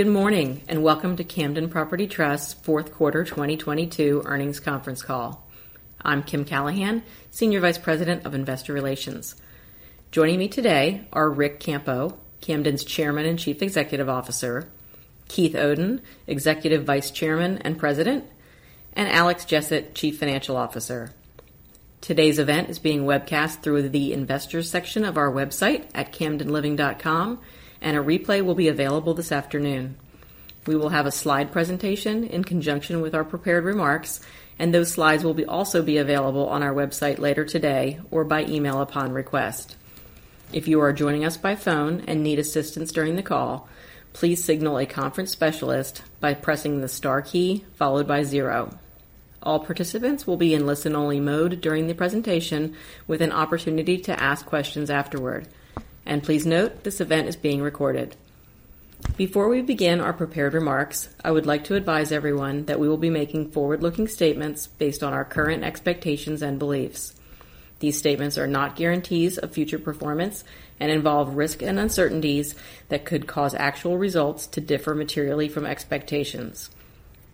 Good morning, welcome to Camden Property Trust's Q4 2022 earnings conference call. I'm Kim Callahan, Senior Vice President of Investor Relations. Joining me today are Ric Campo, Camden's Chairman and Chief Executive Officer, Keith Oden, Executive Vice Chairman and President, and Alex Jessett, Chief Financial Officer. Today's event is being webcast through the investors section of our website at camdenliving.com, a replay will be available this afternoon. We will have a slide presentation in conjunction with our prepared remarks, those slides will also be available on our website later today or by email upon request. If you are joining us by phone and need assistance during the call, please signal a conference specialist by pressing the * key followed by 0. All participants will be in listen-only mode during the presentation with an opportunity to ask questions afterward. Please note this event is being recorded. Before we begin our prepared remarks, I would like to advise everyone that we will be making forward-looking statements based on our current expectations and beliefs. These statements are not guarantees of future performance and involve risk and uncertainties that could cause actual results to differ materially from expectations.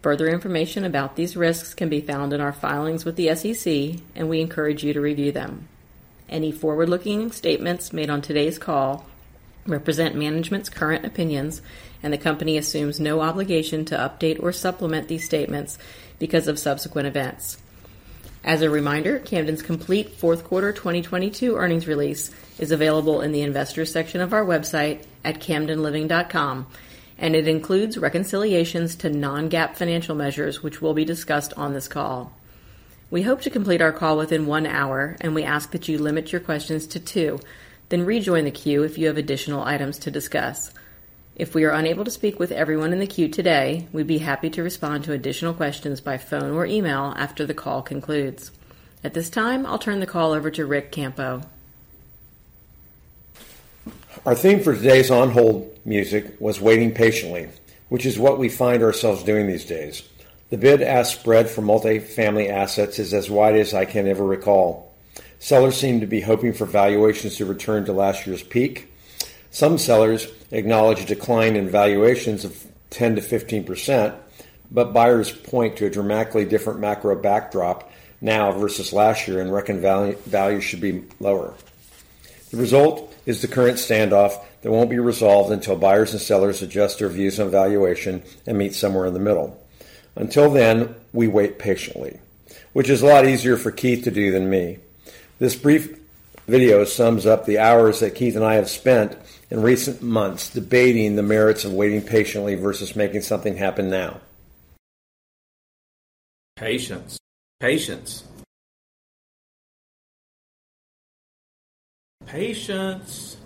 Further information about these risks can be found in our filings with the SEC, and we encourage you to review them. Any forward-looking statements made on today's call represent management's current opinions, and the company assumes no obligation to update or supplement these statements because of subsequent events. As a reminder, Camden's complete Q4 2022 earnings release is available in the investors section of our website at camdenliving.com, and it includes reconciliations to non-GAAP financial measures, which will be discussed on this call. We hope to complete our call within 1 hour, and we ask that you limit your questions to 2, then rejoin the queue if you have additional items to discuss. If we are unable to speak with everyone in the queue today, we'd be happy to respond to additional questions by phone or email after the call concludes. At this time, I'll turn the call over to Ric Campo. Our theme for today's on-hold music was Waiting Patiently, which is what we find ourselves doing these days. The bid-ask spread for multifamily assets is as wide as I can ever recall. Sellers seem to be hoping for valuations to return to last year's peak. Some sellers acknowledge a decline in valuations of 10% to 15%. Buyers point to a dramatically different macro backdrop now versus last year and reckon value should be lower. The result is the current standoff that won't be resolved until buyers and sellers adjust their views on valuation and meet somewhere in the middle. Until then, we wait patiently, which is a lot easier for Keith to do than me. This brief video sums up the hours that Keith and I have spent in recent months debating the merits of waiting patiently versus making something happen now. Patience. Patience. Patience.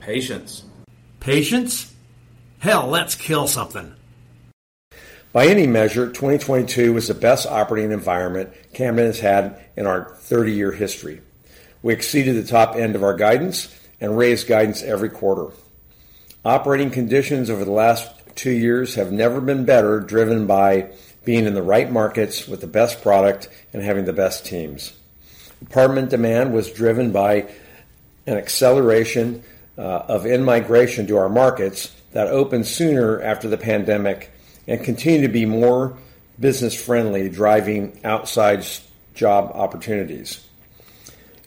Patience. Patience? Hell, let's kill something. By any measure, 2022 was the best operating environment Camden has had in our 30-year history. We exceeded the top end of our guidance and raised guidance every quarter. Operating conditions over the last 2 years have never been better, driven by being in the right markets with the best product and having the best teams. Apartment demand was driven by an acceleration of in-migration to our markets that opened sooner after the pandemic and continue to be more business-friendly, driving outside job opportunities,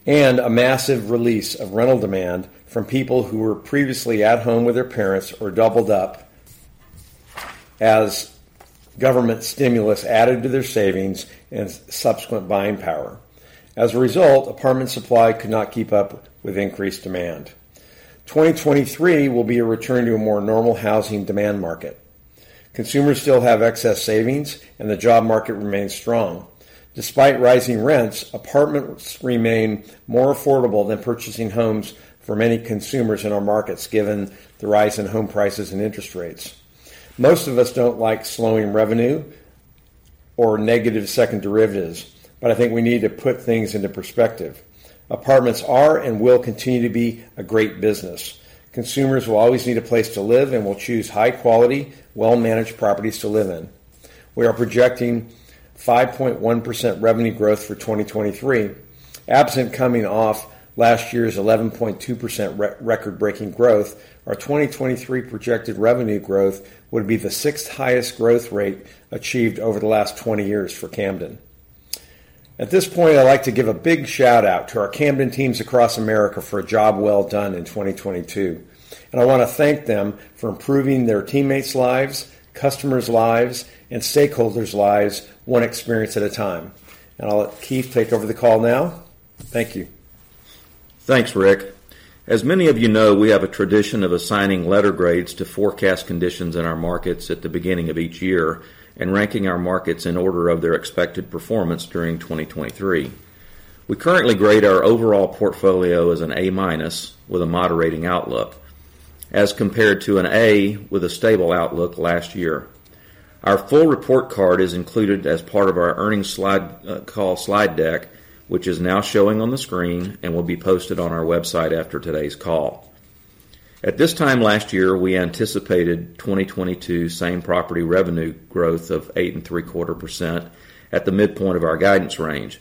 and a massive release of rental demand from people who were previously at home with their parents or doubled up as government stimulus added to their savings and subsequent buying power. As a result, apartment supply could not keep up with increased demand. 2023 will be a return to a more normal housing demand market. Consumers still have excess savings. The job market remains strong. Despite rising rents, apartments remain more affordable than purchasing homes for many consumers in our markets, given the rise in home prices and interest rates. Most of us don't like slowing revenue or negative second derivatives. I think we need to put things into perspective. Apartments are and will continue to be a great business. Consumers will always need a place to live and will choose high quality, well-managed properties to live in. We are projecting 5.1% revenue growth for 2023. Absent coming off last year's 11.2% record-breaking growth, our 2023 projected revenue growth would be the 6th highest growth rate achieved over the last 20 years for Camden. At this point, I'd like to give a big shout-out to our Camden teams across America for a job well done in 2022. I want to thank them for improving their teammates' lives, customers' lives, and stakeholders' lives 1 experience at a time. I'll let Keith take over the call now. Thank you. Thanks, Rick. As many of you know, we have a tradition of assigning letter grades to forecast conditions in our markets at the beginning of each year and ranking our markets in order of their expected performance during 2023. We currently grade our overall portfolio as an A-minus with a moderating outlook, as compared to an A with a stable outlook last year. Our full report card is included as part of our earnings slide, call slide deck, which is now showing on the screen and will be posted on our website after today's call. At this time last year, we anticipated 2022 same-property revenue growth of 8.75% at the midpoint of our guidance range.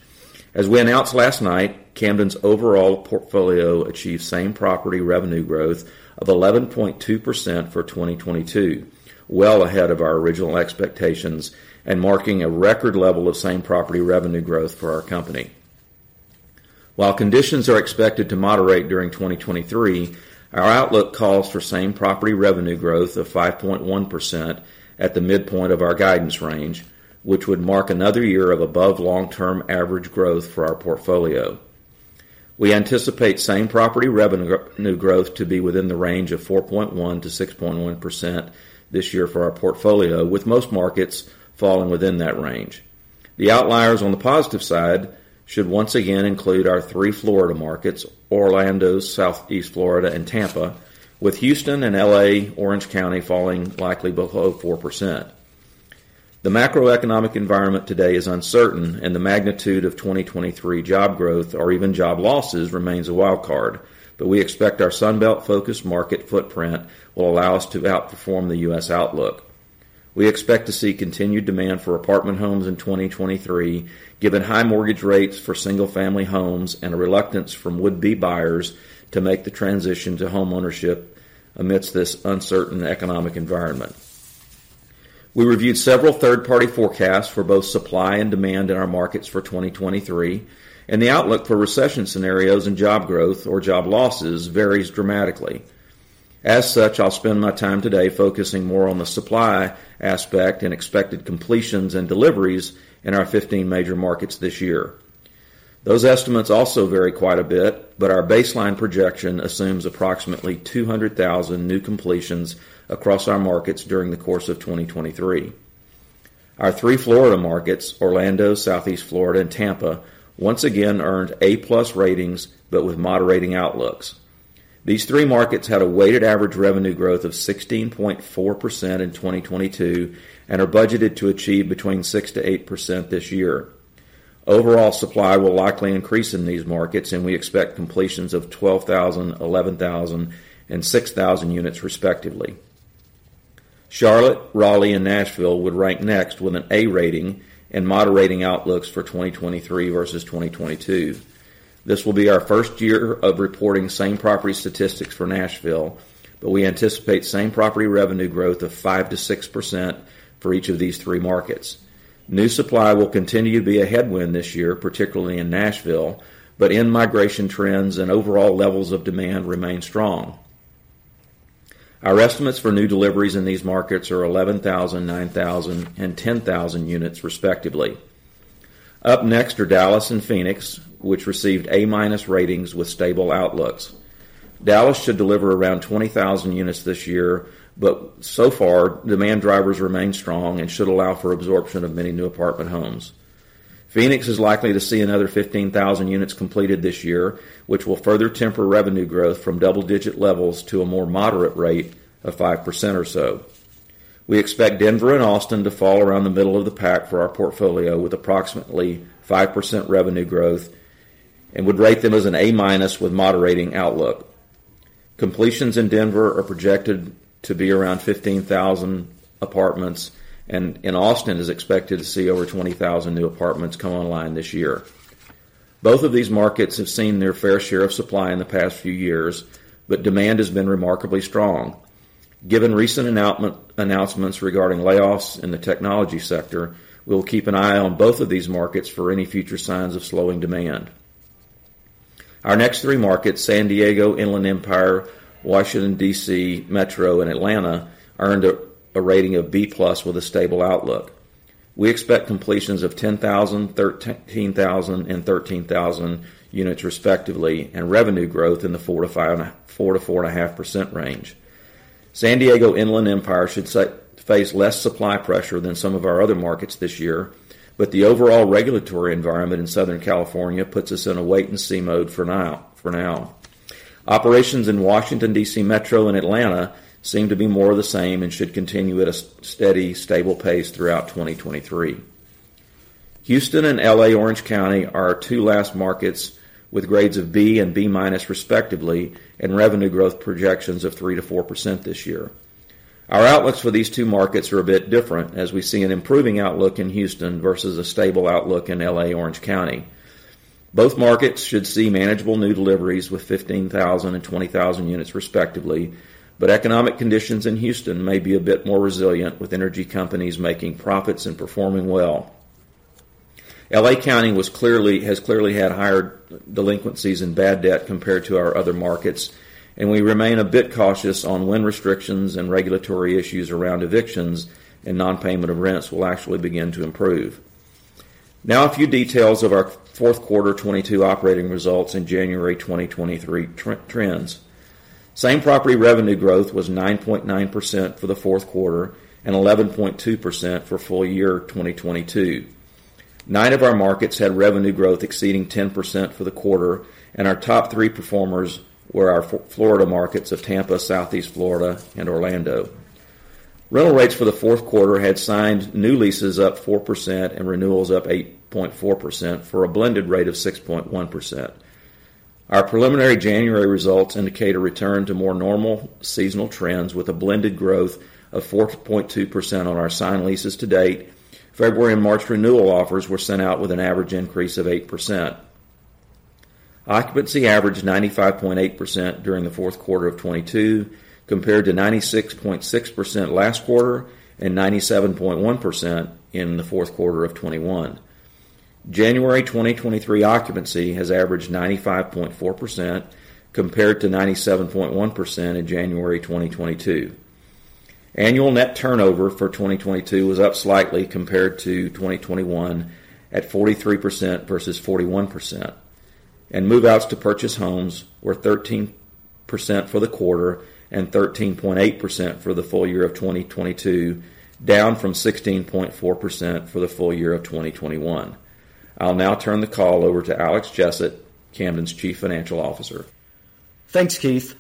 As we announced last night, Camden's overall portfolio achieved same-property revenue growth of 11.2% for 2022, well ahead of our original expectations and marking a record level of same-property revenue growth for our company. While conditions are expected to moderate during 2023, our outlook calls for same-property revenue growth of 5.1% at the midpoint of our guidance range, which would mark another year of above long-term average growth for our portfolio. We anticipate same-property revenue growth to be within the range of 4.1% to 6.1% this year for our portfolio, with most markets falling within that range. The outliers on the positive side should once again include our 3 Florida markets, Orlando, Southeast Florida, and Tampa, with Houston and L.A., Orange County falling likely below 4%. The macroeconomic environment today is uncertain, the magnitude of 2023 job growth or even job losses remains a wild card, we expect our Sun Belt-focused market footprint will allow us to outperform the U.S. outlook. We expect to see continued demand for apartment homes in 2023, given high mortgage rates for single-family homes and a reluctance from would-be buyers to make the transition to homeownership amidst this uncertain economic environment. We reviewed several third-party forecasts for both supply and demand in our markets for 2023, the outlook for recession scenarios and job growth or job losses varies dramatically. As such, I'll spend my time today focusing more on the supply aspect and expected completions and deliveries in our 15 major markets this year. Our baseline projection assumes approximately 200,000 new completions across our markets during the course of 2023. Our 3 Florida markets, Orlando, Southeast Florida, and Tampa, once again earned A+ ratings, with moderating outlooks. These 3 markets had a weighted average revenue growth of 16.4% in 2022 and are budgeted to achieve between 6% to 8% this year. Overall supply will likely increase in these markets. We expect completions of 12,000, 11,000, and 6,000 units, respectively. Charlotte, Raleigh, and Nashville would rank next with an A rating and moderating outlooks for 2023 versus 2022. This will be our 1st year of reporting same-property statistics for Nashville. We anticipate same-property revenue growth of 5% to 6% for each of these 3 markets. New supply will continue to be a headwind this year, particularly in Nashville. In-migration trends and overall levels of demand remain strong. Our estimates for new deliveries in these markets are 11,000, 9,000, and 10,000 units, respectively. Up next are Dallas and Phoenix, which received A-minus ratings with stable outlooks. Dallas should deliver around 20,000 units this year, but so far demand drivers remain strong and should allow for absorption of many new apartment homes. Phoenix is likely to see another 15,000 units completed this year, which will further temper revenue growth from double-digit levels to a more moderate rate of 5% or so. We expect Denver and Austin to fall around the middle of the pack for our portfolio with approximately 5% revenue growth and would rate them as an A-minus with moderating outlook. Completions in Denver are projected to be around 15,000 apartments, and Austin is expected to see over 20,000 new apartments come online this year. Both of these markets have seen their fair share of supply in the past few years, but demand has been remarkably strong. Given recent announcements regarding layoffs in the technology sector, we'll keep an eye on both of these markets for any future signs of slowing demand. Our next 3 markets, San Diego, Inland Empire, Washington, D.C. Metro, and Atlanta, earned a rating of B+ with a stable outlook. We expect completions of 10,000, 13,000, and 13,000 units, respectively, and revenue growth in the 4% to 4.5% range. San Diego Inland Empire should face less supply pressure than some of our other markets this year, but the overall regulatory environment in Southern California puts us in a wait-and-see mode for now. Operations in Washington, D.C. Metro, and Atlanta seem to be more of the same and should continue at a steady, stable pace throughout 2023. Houston and L.A. Orange County are our 2 last markets with grades of B and B-minus, respectively, and revenue growth projections of 3% to 4% this year. Our outlooks for these 2 markets are a bit different as we see an improving outlook in Houston versus a stable outlook in L.A. Orange County. Both markets should see manageable new deliveries with 15,000 and 20,000 units, respectively. Economic conditions in Houston may be a bit more resilient with energy companies making profits and performing well. L.A. County has clearly had higher delinquencies in bad debt compared to our other markets. We remain a bit cautious on when restrictions and regulatory issues around evictions and non-payment of rents will actually begin to improve. A few details of our Q4 2022 operating results and January 2023 trends. Same property revenue growth was 9.9% for the Q4 and 11.2% for full year 2022. 9 of our markets had revenue growth exceeding 10% for the quarter. Our top 3 performers were our Florida markets of Tampa, Southeast Florida, and Orlando. Rental rates for the Q4 had signed new leases up 4% and renewals up 8.4% for a blended rate of 6.1%. Our preliminary January results indicate a return to more normal seasonal trends with a blended growth of 4.2% on our signed leases to date. February and March renewal offers were sent out with an average increase of 8%. Occupancy averaged 95.8% during the Q4 of 2022, compared to 96.6% last quarter and 97.1% in the Q4 of 2021. January 2023 occupancy has averaged 95.4% compared to 97.1% in January 2022. Annual net turnover for 2022 was up slightly compared to 2021 at 43% versus 41%. Move-outs to purchase homes were 13% for the quarter and 13.8% for the full year of 2022, down from 16.4% for the full year of 2021. I'll now turn the call over to Alex Jessett, Camden's Chief Financial Officer. Thanks, Keith.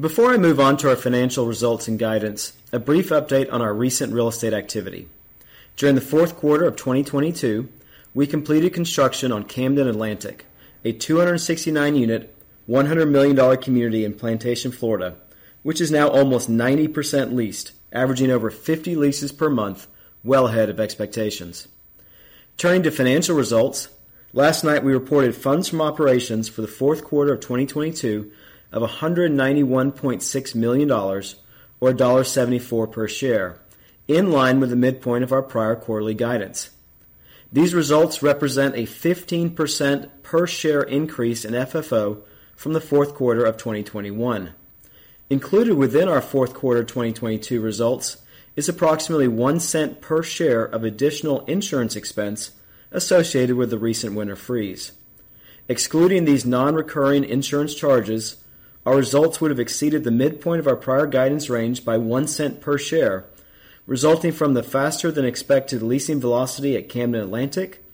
Before I move on to our financial results and guidance, a brief update on our recent real estate activity. During the Q4 of 2022, we completed construction on Camden Atlantic, a 269 unit, $100 million community in Plantation, Florida, which is now almost 90% leased, averaging over 50 leases per month, well ahead of expectations. Turning to financial results, last night we reported funds from operations for the Q4 of 2022 of $191.6 million or $1.74 per share, in line with the midpoint of our prior quarterly guidance. These results represent a 15% per share increase in FFO from the Q4 of 2021. Included within our Q4 2022 results is approximately $0.01 per share of additional insurance expense associated with the recent winter freeze. Excluding these non-recurring insurance charges, our results would have exceeded the midpoint of our prior guidance range by $0.01 per share, resulting from the faster than expected leasing velocity at Camden Atlantic,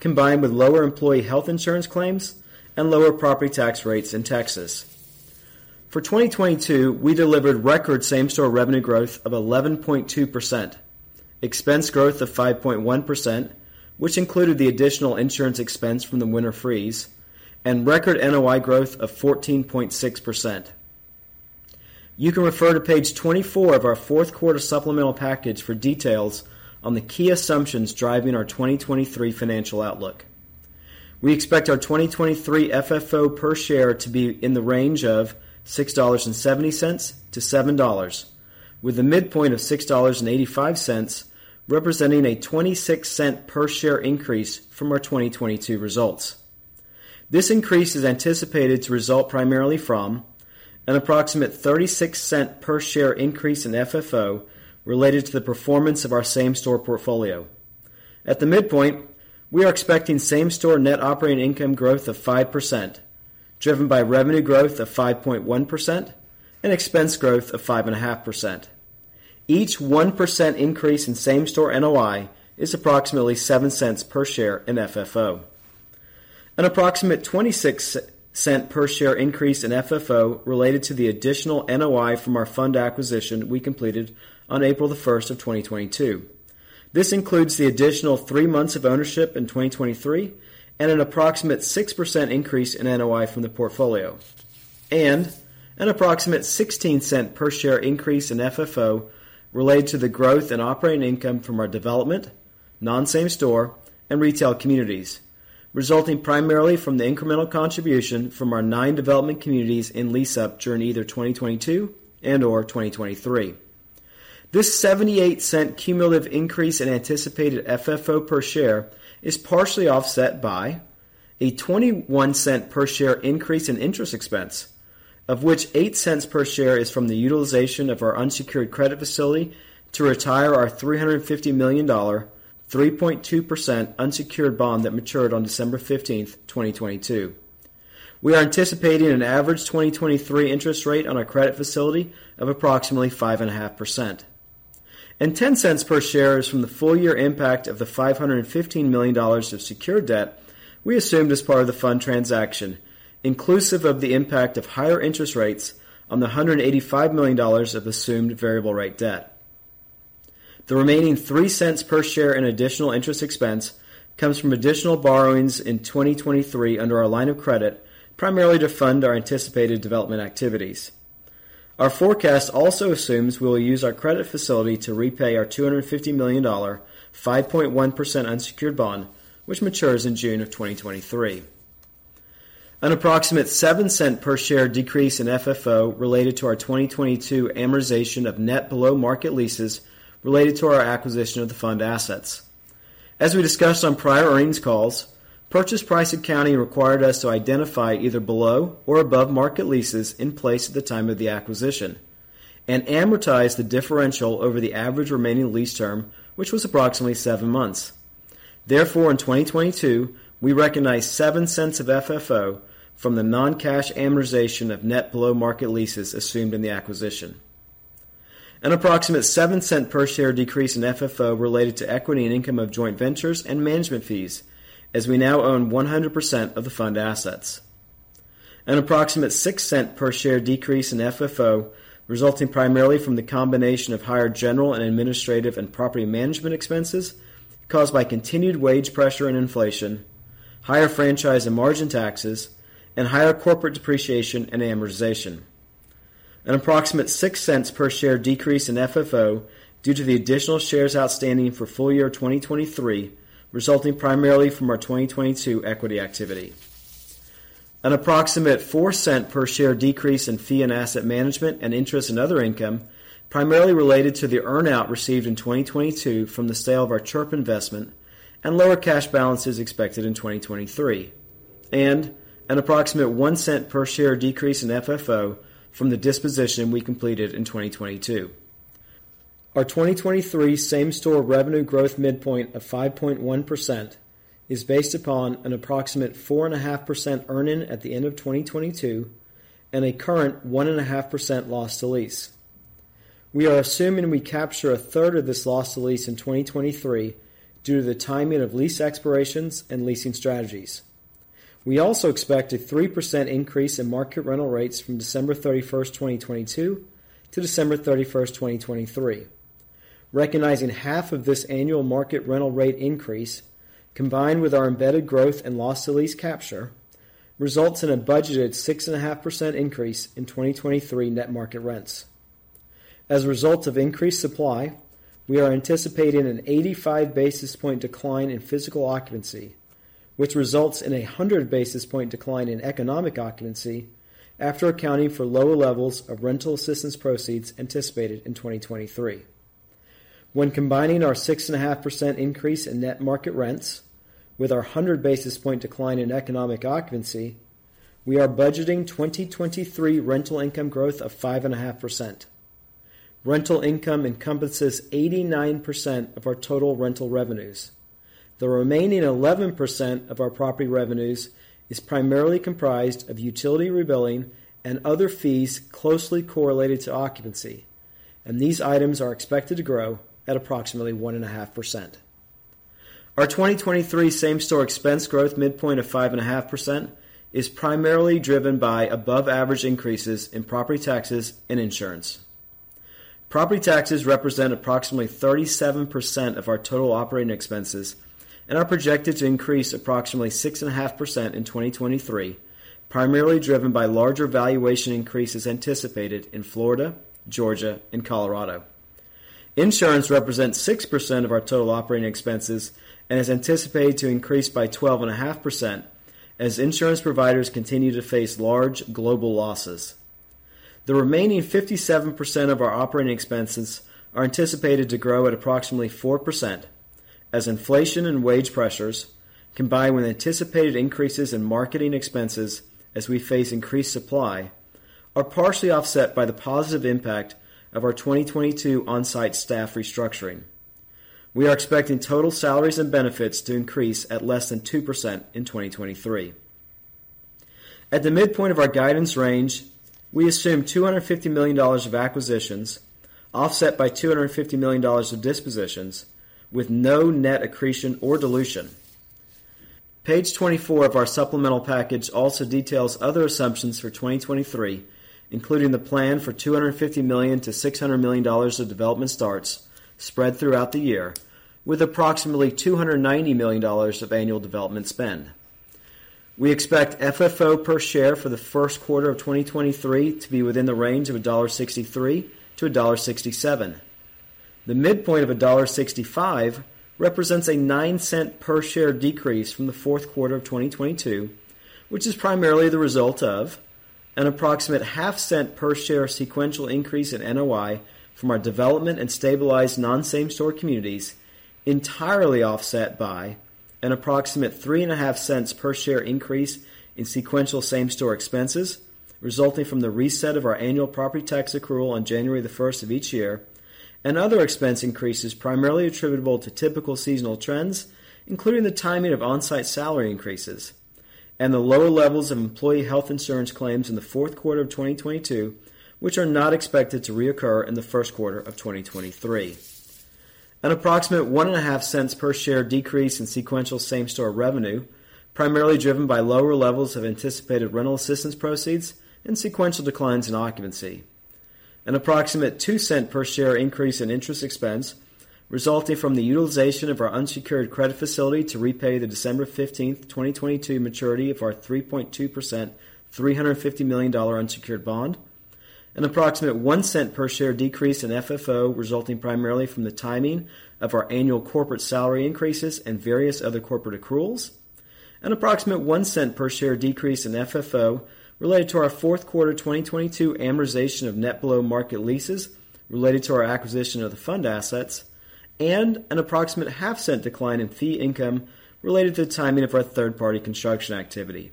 combined with lower employee health insurance claims and lower property tax rates in Texas. For 2022, we delivered record same-store revenue growth of 11.2%, expense growth of 5.1%, which included the additional insurance expense from the winter freeze, and record NOI growth of 14.6%. You can refer to page 24 of our Q4 supplemental package for details on the key assumptions driving our 2023 financial outlook. We expect our 2023 FFO per share to be in the range of $6.70-$7.00, with a midpoint of $6.85 representing a $0.26 per share increase from our 2022 results. This increase is anticipated to result primarily from an approximate $0.36 per share increase in FFO related to the performance of our same-store portfolio. At the midpoint, we are expecting same-store net operating income growth of 5%, driven by revenue growth of 5.1% and expense growth of 5.5%. Each 1% increase in same-store NOI is approximately $0.07 per share in FFO. An approximate $0.26 per share increase in FFO related to the additional NOI from our fund acquisition we completed on April 1st, 2022. This includes the additional 3 months of ownership in 2023 and an approximate 6% increase in NOI from the portfolio. An approximate $0.16 per share increase in FFO related to the growth in operating income from our development, non-same store, and retail communities, resulting primarily from the incremental contribution from our 9 development communities in lease-up during either 2022 and/or 2023. This $0.78 cumulative increase in anticipated FFO per share is partially offset by a $0.21 per share increase in interest expense, of which $0.08 per share is from the utilization of our unsecured credit facility to retire our $350 million, 3.2% unsecured bond that matured on December 15th, 2022. We are anticipating an average 2023 interest rate on our credit facility of approximately 5.5%. $0.10 Per share is from the full year impact of the $515 million of secured debt we assumed as part of the fund transaction, inclusive of the impact of higher interest rates on the $185 million of assumed variable rate debt. The remaining $0.03 per share in additional interest expense comes from additional borrowings in 2023 under our line of credit, primarily to fund our anticipated development activities. Our forecast also assumes we will use our credit facility to repay our $250 million, 5.1% unsecured bond, which matures in June 2023. An approximate $0.07 per share decrease in FFO related to our 2022 amortization of net below market leases related to our acquisition of the fund assets. As we discussed on prior earnings calls, purchase price accounting required us to identify either below or above market leases in place at the time of the acquisition and amortize the differential over the average remaining lease term, which was approximately 7 months. Therefore, in 2022, we recognized $0.07 of FFO from the non-cash amortization of net below market leases assumed in the acquisition. An approximate $0.07 per share decrease in FFO related to equity and income of joint ventures and management fees, as we now own 100% of the fund assets. An approximate $0.06 per share decrease in FFO resulting primarily from the combination of higher general and administrative and property management expenses caused by continued wage pressure and inflation, higher franchise and margin taxes, and higher corporate depreciation and amortization. An approximate $0.06 per share decrease in FFO due to the additional shares outstanding for full year 2023 resulting primarily from our 2022 equity activity. An approximate $0.04 per share decrease in fee and asset management and interest and other income primarily related to the earn-out received in 2022 from the sale of our CHRP investment and lower cash balances expected in 2023. An approximate $0.01 per share decrease in FFO from the disposition we completed in 2022. Our 2023 same-store revenue growth midpoint of 5.1% is based upon an approximate 4.5% earn-in at the end of 2022 and a current 1.5% loss to lease. We are assuming we capture 1/3 of this loss to lease in 2023 due to the timing of lease expirations and leasing strategies. We also expect a 3% increase in market rental rates from December 31, 2022 to December 31, 2023. Recognizing 1/2 of this annual market rental rate increase combined with our embedded growth and loss to lease capture results in a budgeted 6.5% increase in 2023 net market rents. As a result of increased supply, we are anticipating an 85 basis point decline in physical occupancy, which results in a 100 basis point decline in economic occupancy after accounting for lower levels of rental assistance proceeds anticipated in 2023. When combining our 6.5% increase in net market rents with our 100 basis point decline in economic occupancy, we are budgeting 2023 rental income growth of 5.5%. Rental income encompasses 89% of our total rental revenues. The remaining 11% of our property revenues is primarily comprised of utility rebilling and other fees closely correlated to occupancy. These items are expected to grow at approximately 1.5%. Our 2023 same-store expense growth midpoint of 5.5% is primarily driven by above average increases in property taxes and insurance. Property taxes represent approximately 37% of our total operating expenses and are projected to increase approximately 6.5% in 2023, primarily driven by larger valuation increases anticipated in Florida, Georgia, and Colorado. Insurance represents 6% of our total operating expenses and is anticipated to increase by 12.5% as insurance providers continue to face large global losses. The remaining 57% of our operating expenses are anticipated to grow at approximately 4% as inflation and wage pressures, combined with anticipated increases in marketing expenses as we face increased supply, are partially offset by the positive impact of our 2022 on-site staff restructuring. We are expecting total salaries and benefits to increase at less than 2% in 2023. At the midpoint of our guidance range, we assume $250 million of acquisitions offset by $250 million of dispositions with no net accretion or dilution. Page 24 of our supplemental package also details other assumptions for 2023, including the plan for $250 million to $600 million of development starts spread throughout the year with approximately $290 million of annual development spend. We expect FFO per share for the Q1 of 2023 to be within the range of $1.63-$1.67. The midpoint of $1.65 represents a $0.09 per share decrease from the Q4 of 2022, which is primarily the result of an approximate $0.005 Per share sequential increase in NOI from our development and stabilized non-same store communities entirely offset by an approximate $0.035 Per share increase in sequential same-store expenses resulting from the reset of our annual property tax accrual on January 1st of each year and other expense increases primarily attributable to typical seasonal trends, including the timing of on-site salary increases and the lower levels of employee health insurance claims in the Q4 of 2022, which are not expected to reoccur in the Q1 of 2023. An approximate $0.015 Per share decrease in sequential same-store revenue, primarily driven by lower levels of anticipated rental assistance proceeds and sequential declines in occupancy. An approximate $0.02 per share increase in interest expense resulting from the utilization of our unsecured credit facility to repay the December 15, 2022 maturity of our 3.2%, $350 million unsecured bond. An approximate $0.01 per share decrease in FFO resulting primarily from the timing of our annual corporate salary increases and various other corporate accruals. An approximate $0.01 per share decrease in FFO related to our Q4 2022 amortization of net below market leases related to our acquisition of the fund assets. An approximate $0.005 Decline in fee income related to the timing of our third-party construction activity.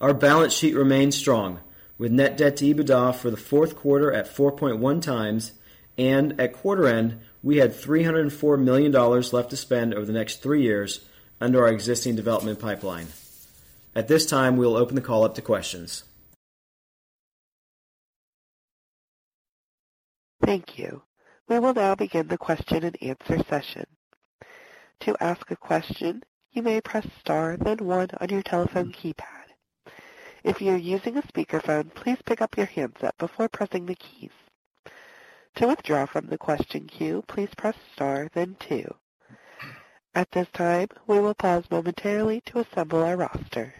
Our balance sheet remains strong, with net debt to EBITDA for the Q4 at 4.1 times. At quarter end, we had $304 million left to spend over the next 3 years under our existing development pipeline. At this time, we'll open the call up to questions. Thank you. We will now begin the question and answer session. To ask a question, you may press * then 1 on your telephone keypad. If you're using a speakerphone, please pick up your handset before pressing the keys. To withdraw from the question queue, please press * then 2. At this time, we will pause momentarily to assemble our roster.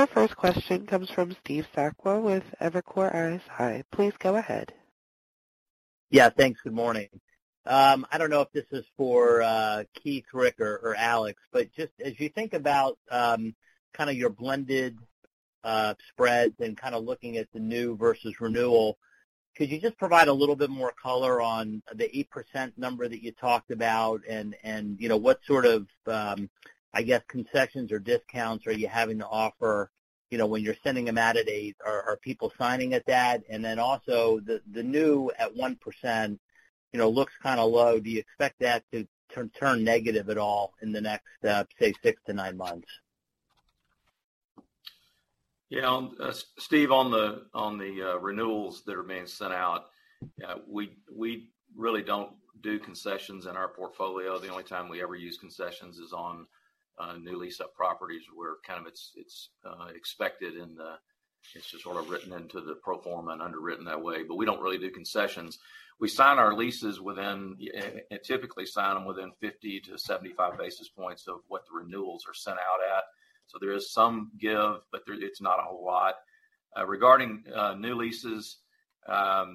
Our 1st question comes from Steve Sakwa with Evercore ISI. Please go ahead. Thanks. Good morning. I don't know if this is for Keith, Ric or Alex, but just as you think about, kind of your blended spreads and kind of looking at the new versus renewal, could you just provide a little bit more color on the 8% number that you talked about and you know, what sort of, I guess, concessions or discounts are you having to offer, you know, when you're sending them out at 8%? Are people signing at that? And then also the new at 1%, you know, looks kind low. Do you expect that to turn negative at all in the next, say, 6 to 9 months? Steve, on the renewals that are being sent out, we really don't do concessions in our portfolio. The only time we ever use concessions is on new lease up properties where kind of it's expected and it's just sort of written into the pro forma and underwritten that way. We don't really do concessions. We sign our leases within typically sign them within 50 to 75 basis points of what the renewals are sent out at. There is some give, but it's not a whole lot. Regarding new leases, at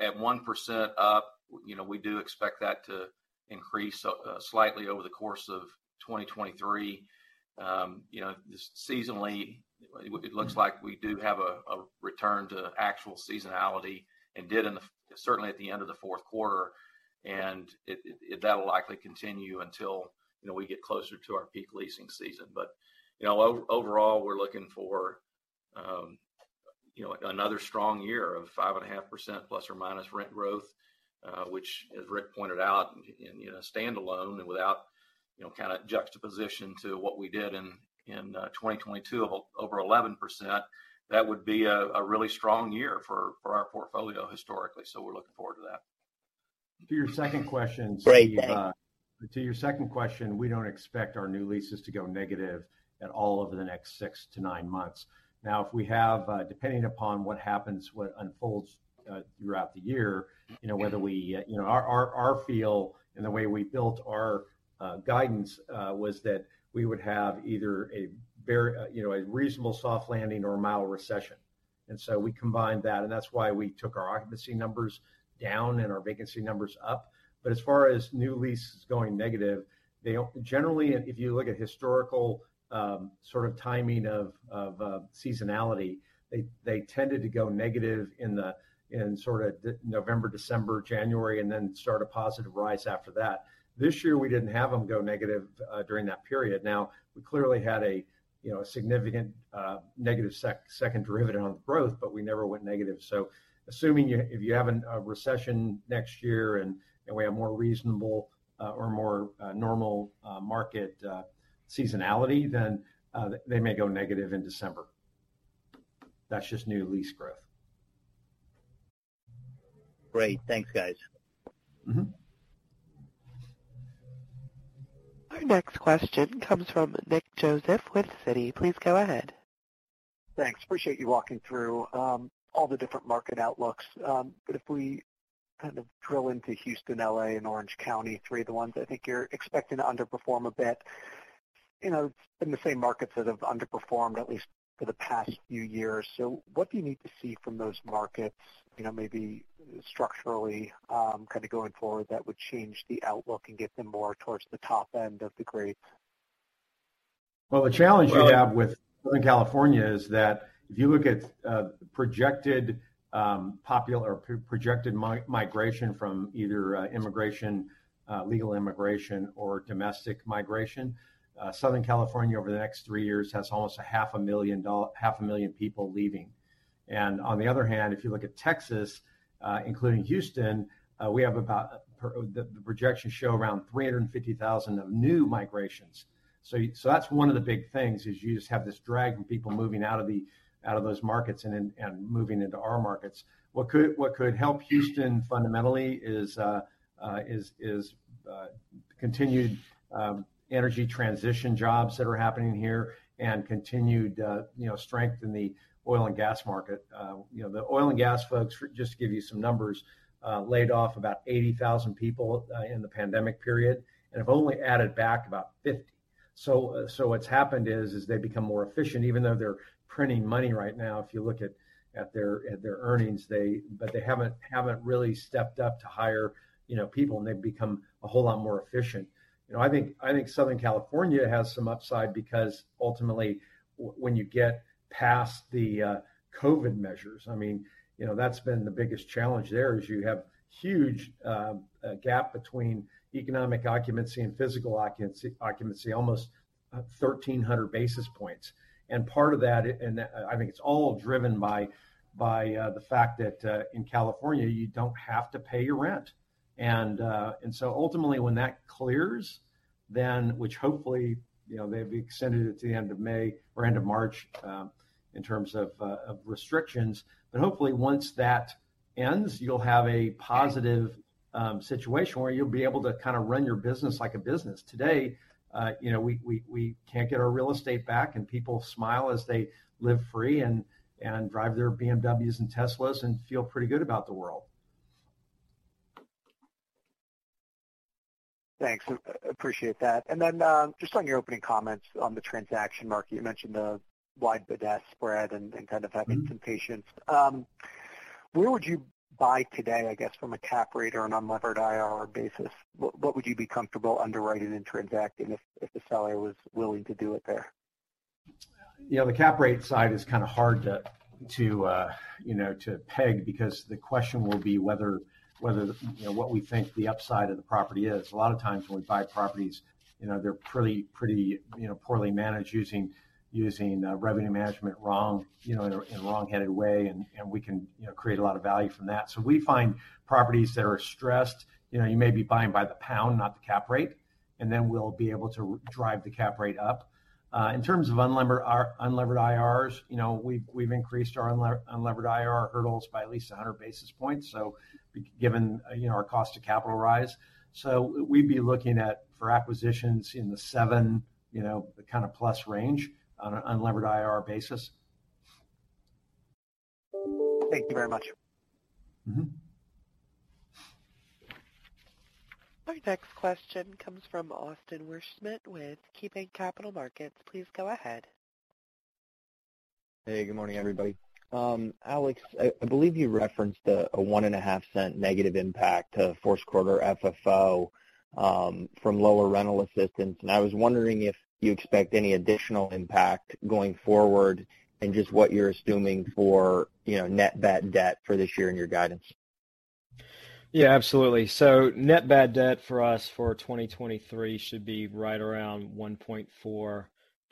1% up, you know, we do expect that to increase slightly over the course of 2023. you know, just seasonally, it looks like we do have a return to actual seasonality and did certainly at the end of the Q4. That'll likely continue until, you know, we get closer to our peak leasing season. you know, overall, we're looking for, you know, another strong year of 5.5% ± rent growth, which as Ric pointed out and, you know, standalone and without, you know, kind of juxtaposition to what we did in 2022, over 11%, that would be a really strong year for our portfolio historically. We're looking forward to that. To your 2nd question, Steve. Great, thanks. To your 2nd question, we don't expect our new leases to go negative at all over the next 6-9 months. If we have, depending upon what happens, what unfolds throughout the year, you know, our feel and the way we built our guidance was that we would have either a very, you know, a reasonable soft landing or a mild recession. We combined that, and that's why we took our occupancy numbers down and our vacancy numbers up. As far as new leases going negative, they don't generally, if you look at historical, sort of timing of seasonality, they tended to go negative in sort of the November, December, January, and then start a positive rise after that. This year, we didn't have them go negative during that period. We clearly had a, you know, a significant negative second derivative on the growth, but we never went negative. Assuming if you have an recession next year and we have more reasonable or more normal market seasonality, then they may go negative in December. That's just new lease growth. Great. Thanks, guys. Mm-hmm. Our next question comes from Nick Joseph with Citi. Please go ahead. Thanks. Appreciate you walking through all the different market outlooks. If we kind of drill into Houston, L.A., and Orange County, 3 of the ones I think you're expecting to underperform a bit, you know, been the same markets that have underperformed at least for the past few years. What do you need to see from those markets, you know, maybe structurally, kind of going forward that would change the outlook and get them more towards the top end of the grade? Well, the challenge you have with Southern California is that if you look at projected migration from either immigration, legal immigration or domestic migration, Southern California over the next 3 years has almost a half a million people leaving. On the other hand, if you look at Texas, including Houston, the projections show around 350,000 of new migrations. That's 1 of the big things, is you just have this drag from people moving out of those markets and moving into our markets. What could help Houston fundamentally is continued energy transition jobs that are happening here and continued, you know, strength in the oil and gas market. You know, the oil and gas folks, just to give you some numbers, laid off about 80,000 people in the pandemic period and have only added back about 50. What's happened is, they've become more efficient, even though they're printing money right now, if you look at their earnings. They haven't really stepped up to hire, you know, people, and they've become a whole lot more efficient. You know, I think Southern California has some upside because ultimately, when you get past the COVID measures, I mean, you know, that's been the biggest challenge there, is you have huge gap between economic occupancy and physical occupancy, almost 1,300 basis points. Part of that, I think it's all driven by the fact that in California, you don't have to pay your rent. Ultimately, when that clears which hopefully, you know, may be extended to the end of May or end of March, in terms of restrictions. Hopefully once that ends, you'll have a positive situation where you'll be able to kind of run your business like a business. Today, you know, we can't get our real estate back, and people smile as they live free and drive their BMWs and Teslas and feel pretty good about the world. Thanks. appreciate that. Then, just on your opening comments on the transaction market, you mentioned the wide bid-ask spread and kind of having some patience. Where would you buy today, I guess, from a cap rate or an unlevered IRR basis? What would you be comfortable underwriting and transacting if the seller was willing to do it there? You know, the cap rate side is kind of hard to, you know, to peg because the question will be whether, you know, what we think the upside of the property is. A lot of times when we buy properties, you know, they're pretty, you know, poorly managed using revenue management wrong, you know, in a wrong-headed way, and we can, you know, create a lot of value from that. We find properties that are stressed. You know, you may be buying by the pound, not the cap rate, and then we'll be able to drive the cap rate up. In terms of unlevered IRRs, you know, we've increased our unlevered IRR hurdles by at least 100 basis points, given, you know, our cost of capital rise. We'd be looking at for acquisitions in the 7, you know, kind of plus range on an unlevered IRR basis. Thank you very much. Mm-hmm. Our next question comes from Austin Wurschmidt with KeyBanc Capital Markets. Please go ahead. Hey, good morning, everybody. Alex, I believe you referenced a $0.015 Negative impact to Q4 FFO, from lower rental assistance, and I was wondering if you expect any additional impact going forward and just what you're assuming for, you know, net bad debt for this year in your guidance. Yeah, absolutely. Net bad debt for us for 2023 should be right around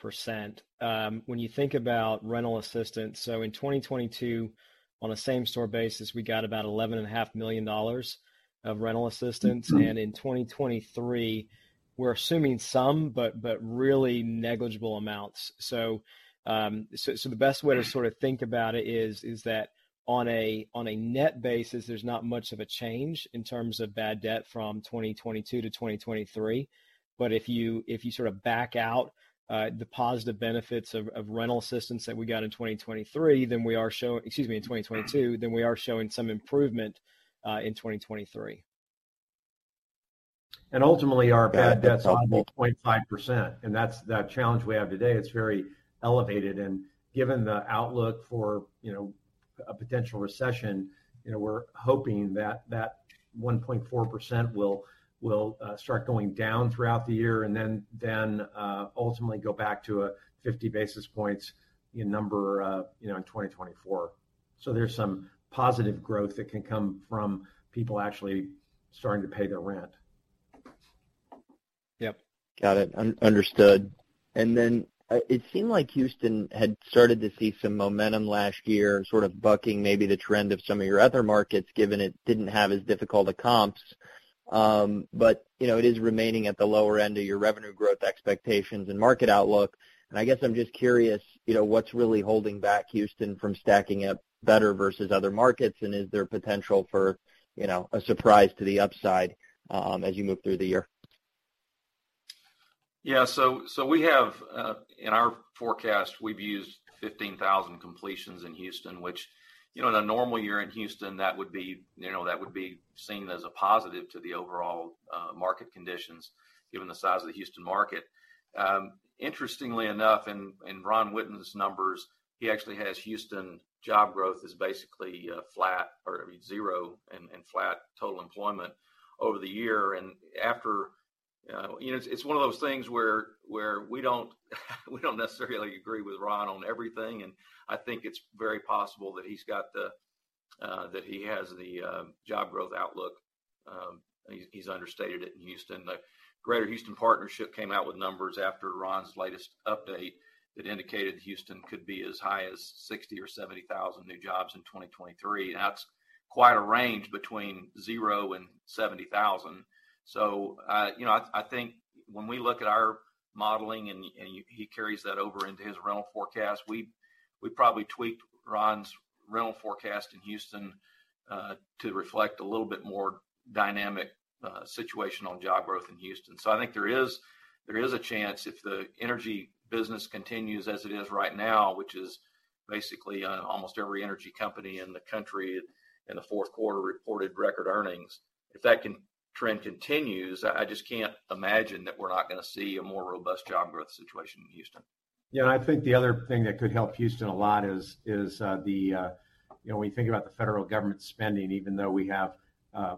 1.4%. When you think about rental assistance, in 2022, on a same-store basis, we got about $11.5 million Of rental assistance. In 2023, we're assuming some, but really negligible amounts. The best way to sort of think about it is that on a net basis, there's not much of a change in terms of bad debt from 2022 to 2023. If you sort of back out the positive benefits of rental assistance that we got in 2022, then we are showing some improvement in 2023. Ultimately, our bad debt's only 0.5%, and that's the challenge we have today. It's very elevated. Given the outlook for, you know, a potential recession, you know, we're hoping that that 1.4% will start going down throughout the year and ultimately go back to a 50 basis points in number, you know, in 2024. There's some positive growth that can come from people actually starting to pay their rent. Yep. Got it. Understood. Then, it seemed like Houston had started to see some momentum last year, sort of bucking maybe the trend of some of your other markets, given it didn't have as difficult a comps. You know, it is remaining at the lower end of your revenue growth expectations and market outlook. I guess I'm just curious, you know, what's really holding back Houston from stacking up better versus other markets, and is there potential for, you know, a surprise to the upside, as you move through the year? So we have in our forecast, we've used 15,000 completions in Houston, which, you know, in a normal year in Houston that would be seen as a positive to the overall market conditions given the size of the Houston market. Interestingly enough, in Ron Witten's numbers, he actually has Houston job growth is basically flat or 0 and flat total employment over the year and after. It's 1 of those things where we don't necessarily agree with Ron on everything, and I think it's very possible that he's got the that he has the job growth outlook, he's understated it in Houston. The Greater Houston Partnership came out with numbers after Ron's latest update that indicated Houston could be as high as 60,000 or 70,000 new jobs in 2023. That's quite a range between 0 and 70,000. I think when we look at our modeling, and he carries that over into his rental forecast, we probably tweaked Ron's rental forecast in Houston to reflect a little bit more dynamic situation on job growth in Houston. I think there is a chance if the energy business continues as it is right now, which is basically almost every energy company in the country in the Q4 reported record earnings. If that trend continues, I just can't imagine that we're not gonna see a more robust job growth situation in Houston. Yeah. I think the other thing that could help Houston a lot is the, you know, when you think about the federal government spending, even though we have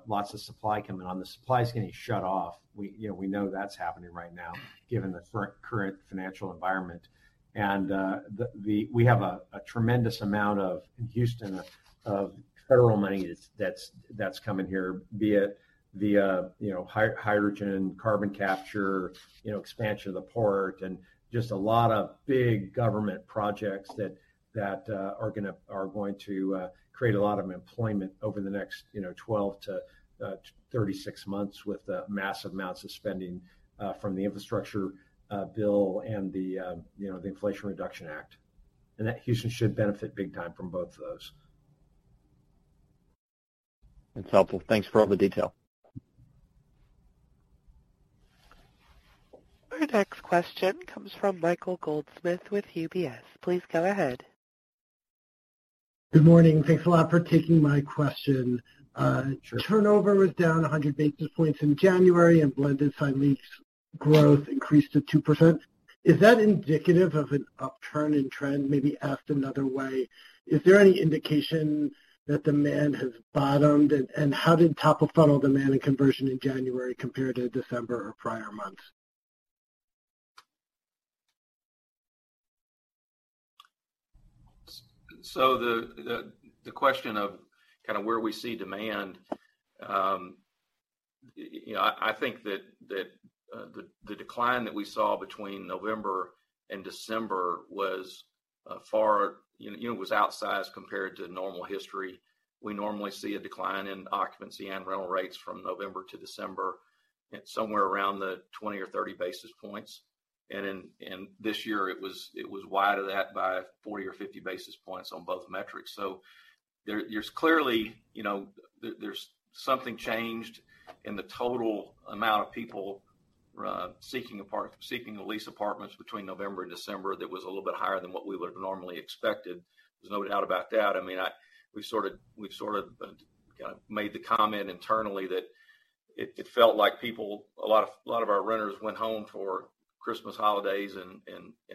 lots of supply coming on, the supply is getting shut off. We, you know, we know that's happening right now given the current financial environment. We have a tremendous amount of, in Houston, of federal money that's coming here, be it via, you know, hydrogen, carbon capture, you know, expansion of the port, and just a lot of big government projects that are going to create a lot of employment over the next, you know, 12 to 36 months with the massive amounts of spending from the infrastructure bill and the, you know, the Inflation Reduction Act. That Houston should benefit big time from both of those. That's helpful. Thanks for all the detail. Our next question comes from Michael Goldsmith with UBS. Please go ahead. Good morning. Thanks a lot for taking my question. Turnover was down 100 basis points in January, and blended same-lease growth increased to 2%. Is that indicative of an upturn in trend? Maybe asked another way, is there any indication that demand has bottomed, and how did top-of-funnel demand and conversion in January compare to December or prior months? So the question of kind of where we see demand, you know, I think that the decline that we saw between November and December was far. You know, was outsized compared to normal history. We normally see a decline in occupancy and rental rates from November to December at somewhere around the 20 or 30 basis points. This year it was wide of that by 40 or 50 basis points on both metrics. There's clearly, you know, something changed in the total amount of people seeking to lease apartments between November and December that was a little bit higher than what we would have normally expected. There's no doubt about that. I mean, we've sort of, kind of made the comment internally that it felt like people, a lot of our renters went home for Christmas holidays and a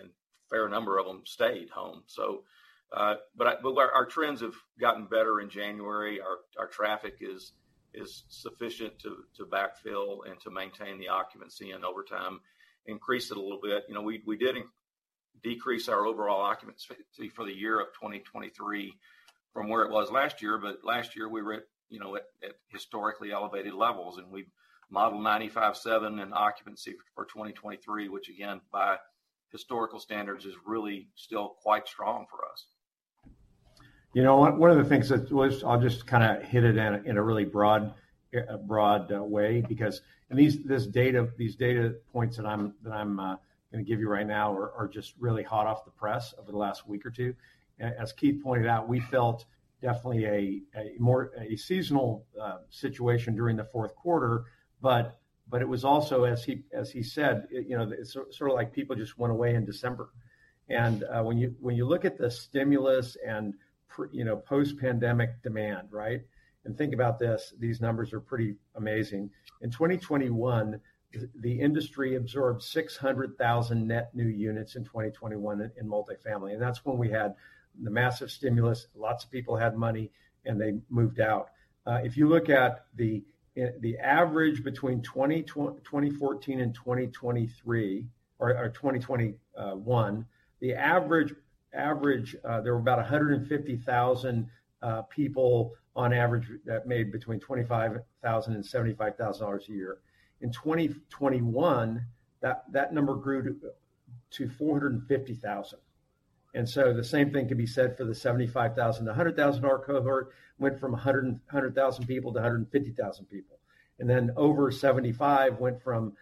fair number of them stayed home, so. Our trends have gotten better in January. Our traffic is sufficient to backfill and to maintain the occupancy and over time increase it a little bit. You know, we did decrease our overall occupancy for the year of 2023 from where it was last year. Last year we were at, you know, at historically elevated levels. We modeled 95.7% in occupancy for 2023, which again, by historical standards is really still quite strong for us. You know, 1 of the things that was. I'll just kind of hit it in a really broad way because and these, this data, these data points that I'm gonna give you right now are just really hot off the press over the last week or 2. As Keith Oden pointed out, we felt definitely a more seasonal situation during the Q4. But it was also, as he said, you know, it's sort of like people just went away in December. When you look at the stimulus and you know, post-pandemic demand, right? Think about this, these numbers are pretty amazing. In 2021, the industry absorbed 600,000 net new units in 2021 in multifamily, and that's when we had the massive stimulus. Lots of people had money, they moved out. If you look at the average between 2014 and 2023 or 2021. There were about 150,000 people on average that made between $25,000 and $75,000 a year. In 2021, that number grew to 450,000. The same thing can be said for the $75,000 to $100,000 cohort, went from 100,000 people to 150,000 people. Over $75,000.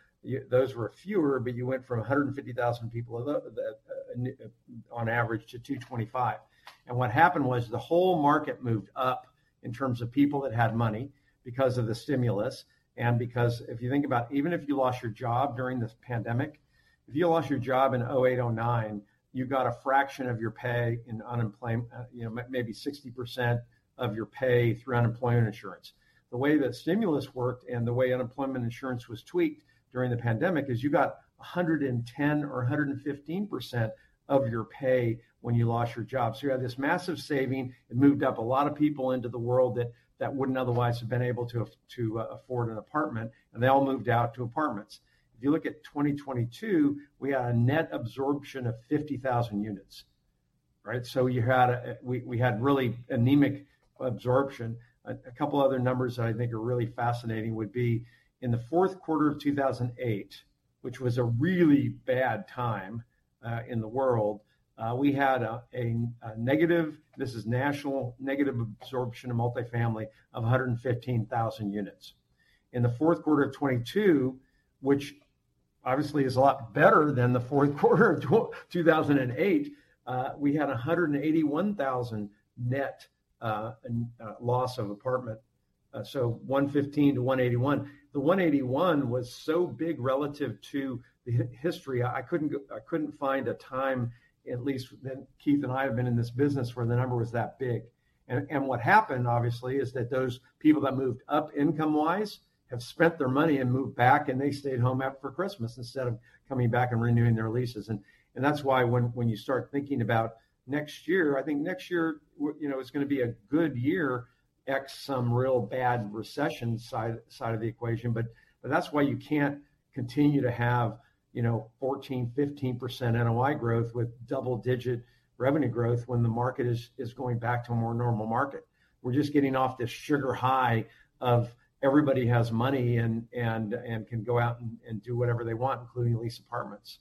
Those were fewer, but you went from 150,000 people on average to 225,000. What happened was the whole market moved up in terms of people that had money because of the stimulus and because if you think about even if you lost your job during this pandemic, if you lost your job in 08, 09, you got a fraction of your pay in unemployment. you know, maybe 60% of your pay through unemployment insurance. The way that stimulus worked and the way unemployment insurance was tweaked during the pandemic is you got 110 or 115% of your pay when you lost your job. You had this massive saving. It moved up a lot of people into the world that wouldn't otherwise have been able to afford an apartment, and they all moved out to apartments. If you look at 2022, we had a net absorption of 50,000 units, right? We had really anemic absorption. A couple other numbers that I think are really fascinating would be in the Q4 of 2008, which was a really bad time in the world, we had a negative, this is national, negative absorption of multifamily of 115,000 units. In the Q4 of 2022, which obviously is a lot better than the Q4 of 2008, we had 181,000 net loss of apartment. 115 to 181. The 181 was so big relative to the history, I couldn't find a time, at least that Keith and I have been in this business, where the number was that big. What happened, obviously, is that those people that moved up income-wise have spent their money and moved back, and they stayed home after Christmas instead of coming back and renewing their leases. That's why when you start thinking about next year, I think next year, you know, is gonna be a good year, ex some real bad recession side of the equation. That's why you can't continue to have, you know, 14%, 15% NOI growth with double-digit revenue growth when the market is going back to a more normal market. We're just getting off this sugar high of everybody has money and can go out and do whatever they want, including lease apartments.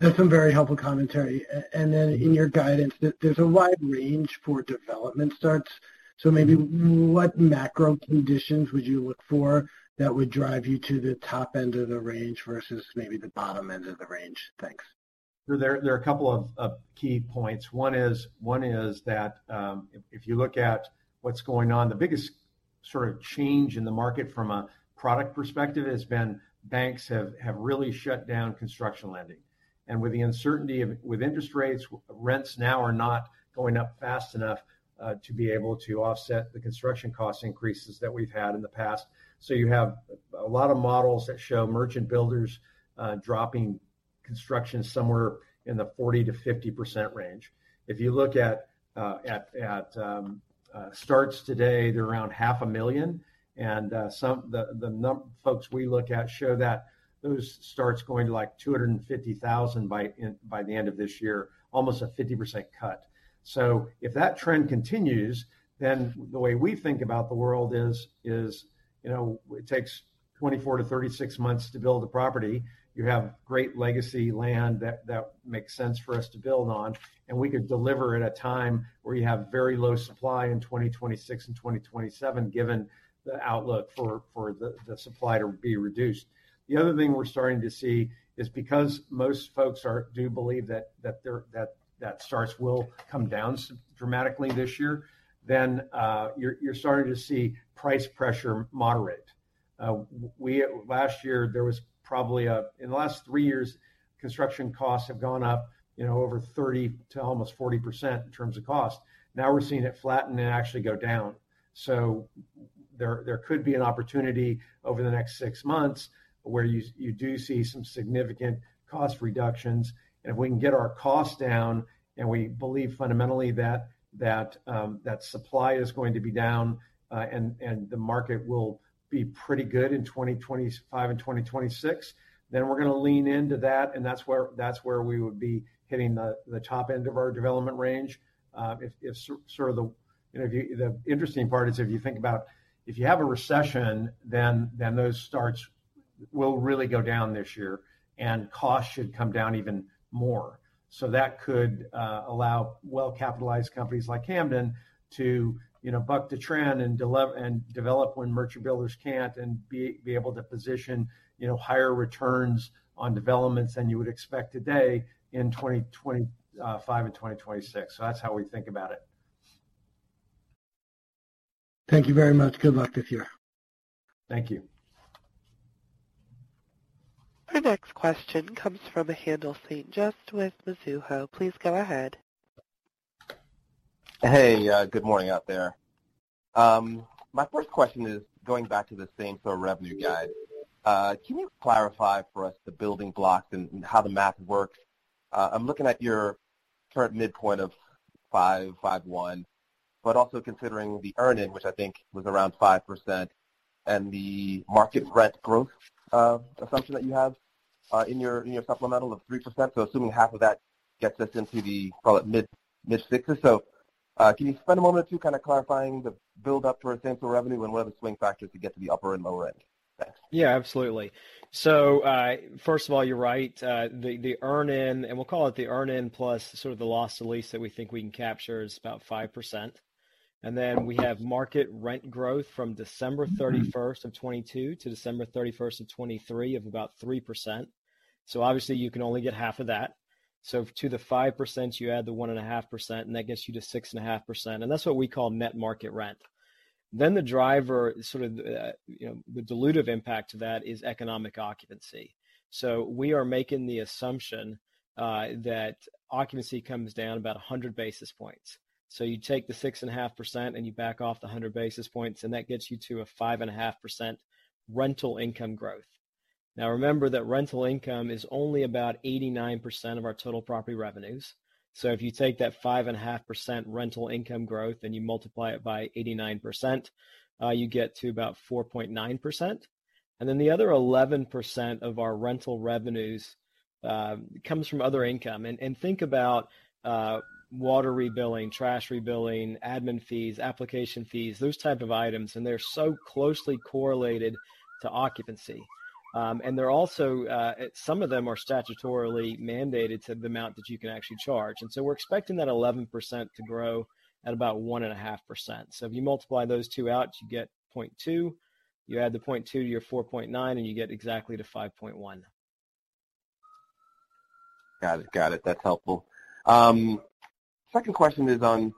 That's some very helpful commentary. In your guidance, there's a wide range for development starts. Maybe what macro conditions would you look for that would drive you to the top end of the range versus maybe the bottom end of the range? Thanks. There are a couple of key points. 1 is that, if you look at what's going on, the biggest sort of change in the market from a product perspective has been banks have really shut down construction lending. With the uncertainty with interest rates, rents now are not going up fast enough to be able to offset the construction cost increases that we've had in the past. You have a lot of models that show merchant builders dropping construction somewhere in the 40% to 50% range. If you look at starts today, they're around 0.5 million. The folks we look at show that those starts going to, like, 250,000 by the end of this year, almost a 50% cut. If that trend continues, the way we think about the world is, you know, it takes 24-36 months to build a property. You have great legacy land that makes sense for us to build on, and we could deliver at a time where you have very low supply in 2026 and 2027, given the outlook for the supply to be reduced. The other thing we're starting to see is because most folks do believe that they're that starts will come down dramatically this year, you're starting to see price pressure moderate. In the last 3 years, construction costs have gone up, you know, over 30% to almost 40% in terms of cost. Now we're seeing it flatten and actually go down. There could be an opportunity over the next 6 months where you do see some significant cost reductions. If we can get our costs down, and we believe fundamentally that supply is going to be down, and the market will be pretty good in 2025 and 2026, we're gonna lean into that's where we would be hitting the top end of our development range. If sort of the, you know, the interesting part is if you think about if you have a recession, then those starts will really go down this year, and costs should come down even more. That could allow well-capitalized companies like Camden to, you know, buck the trend and develop when merchant builders can't and be able to position, you know, higher returns on developments than you would expect today in 2025 and 2026. That's how we think about it. Thank you very much. Good luck this year. Thank you. Our next question comes from Haendel St. Juste with Mizuho. Please go ahead. Hey. Good morning out there. My 1st question is going back to the same store revenue guide. Can you clarify for us the building blocks and how the math works? I'm looking at your current midpoint of 5.51, but also considering the earn-in, which I think was around 5%, and the market rent growth assumption that you have in your supplemental of 3%. Assuming half of that gets us into the, call it, mid-60s. Can you spend a moment or 2 kind of clarifying the build up to our same store revenue and what are the swing factors to get to the upper and lower end? Thanks. Absolutely. First of all, you're right. The earn-in, and we'll call it the earn-in plus sort of the loss to lease that we think we can capture is about 5%. We have market rent growth from December 31st of 2022 to December 31st of 2023 of about 3%. Obviously you can only get half of that. To the 5%, you add the 1.5%, and that gets you to 6.5%, and that's what we call net market rent. The driver sort of, you know, the dilutive impact to that is economic occupancy. We are making the assumption that occupancy comes down about 100 basis points. You take the 6.5%, and you back off the 100 basis points, and that gets you to a 5.5% rental income growth. Now, remember that rental income is only about 89% of our total property revenues. If you take that 5.5% rental income growth, and you multiply it by 89%, you get to about 4.9%. The other 11% of our rental revenues comes from other income. Think about water rebilling, trash rebilling, admin fees, application fees, those type of items, and they're so closely correlated to occupancy. They're also, some of them are statutorily mandated to the amount that you can actually charge. We're expecting that 11% to grow at about 1.5%. If you multiply those 2 out, you get 0.2. You add the 0.2 to your 4.9, you get exactly to 5.1. Got it. Got it. That's helpful. 2nd question is on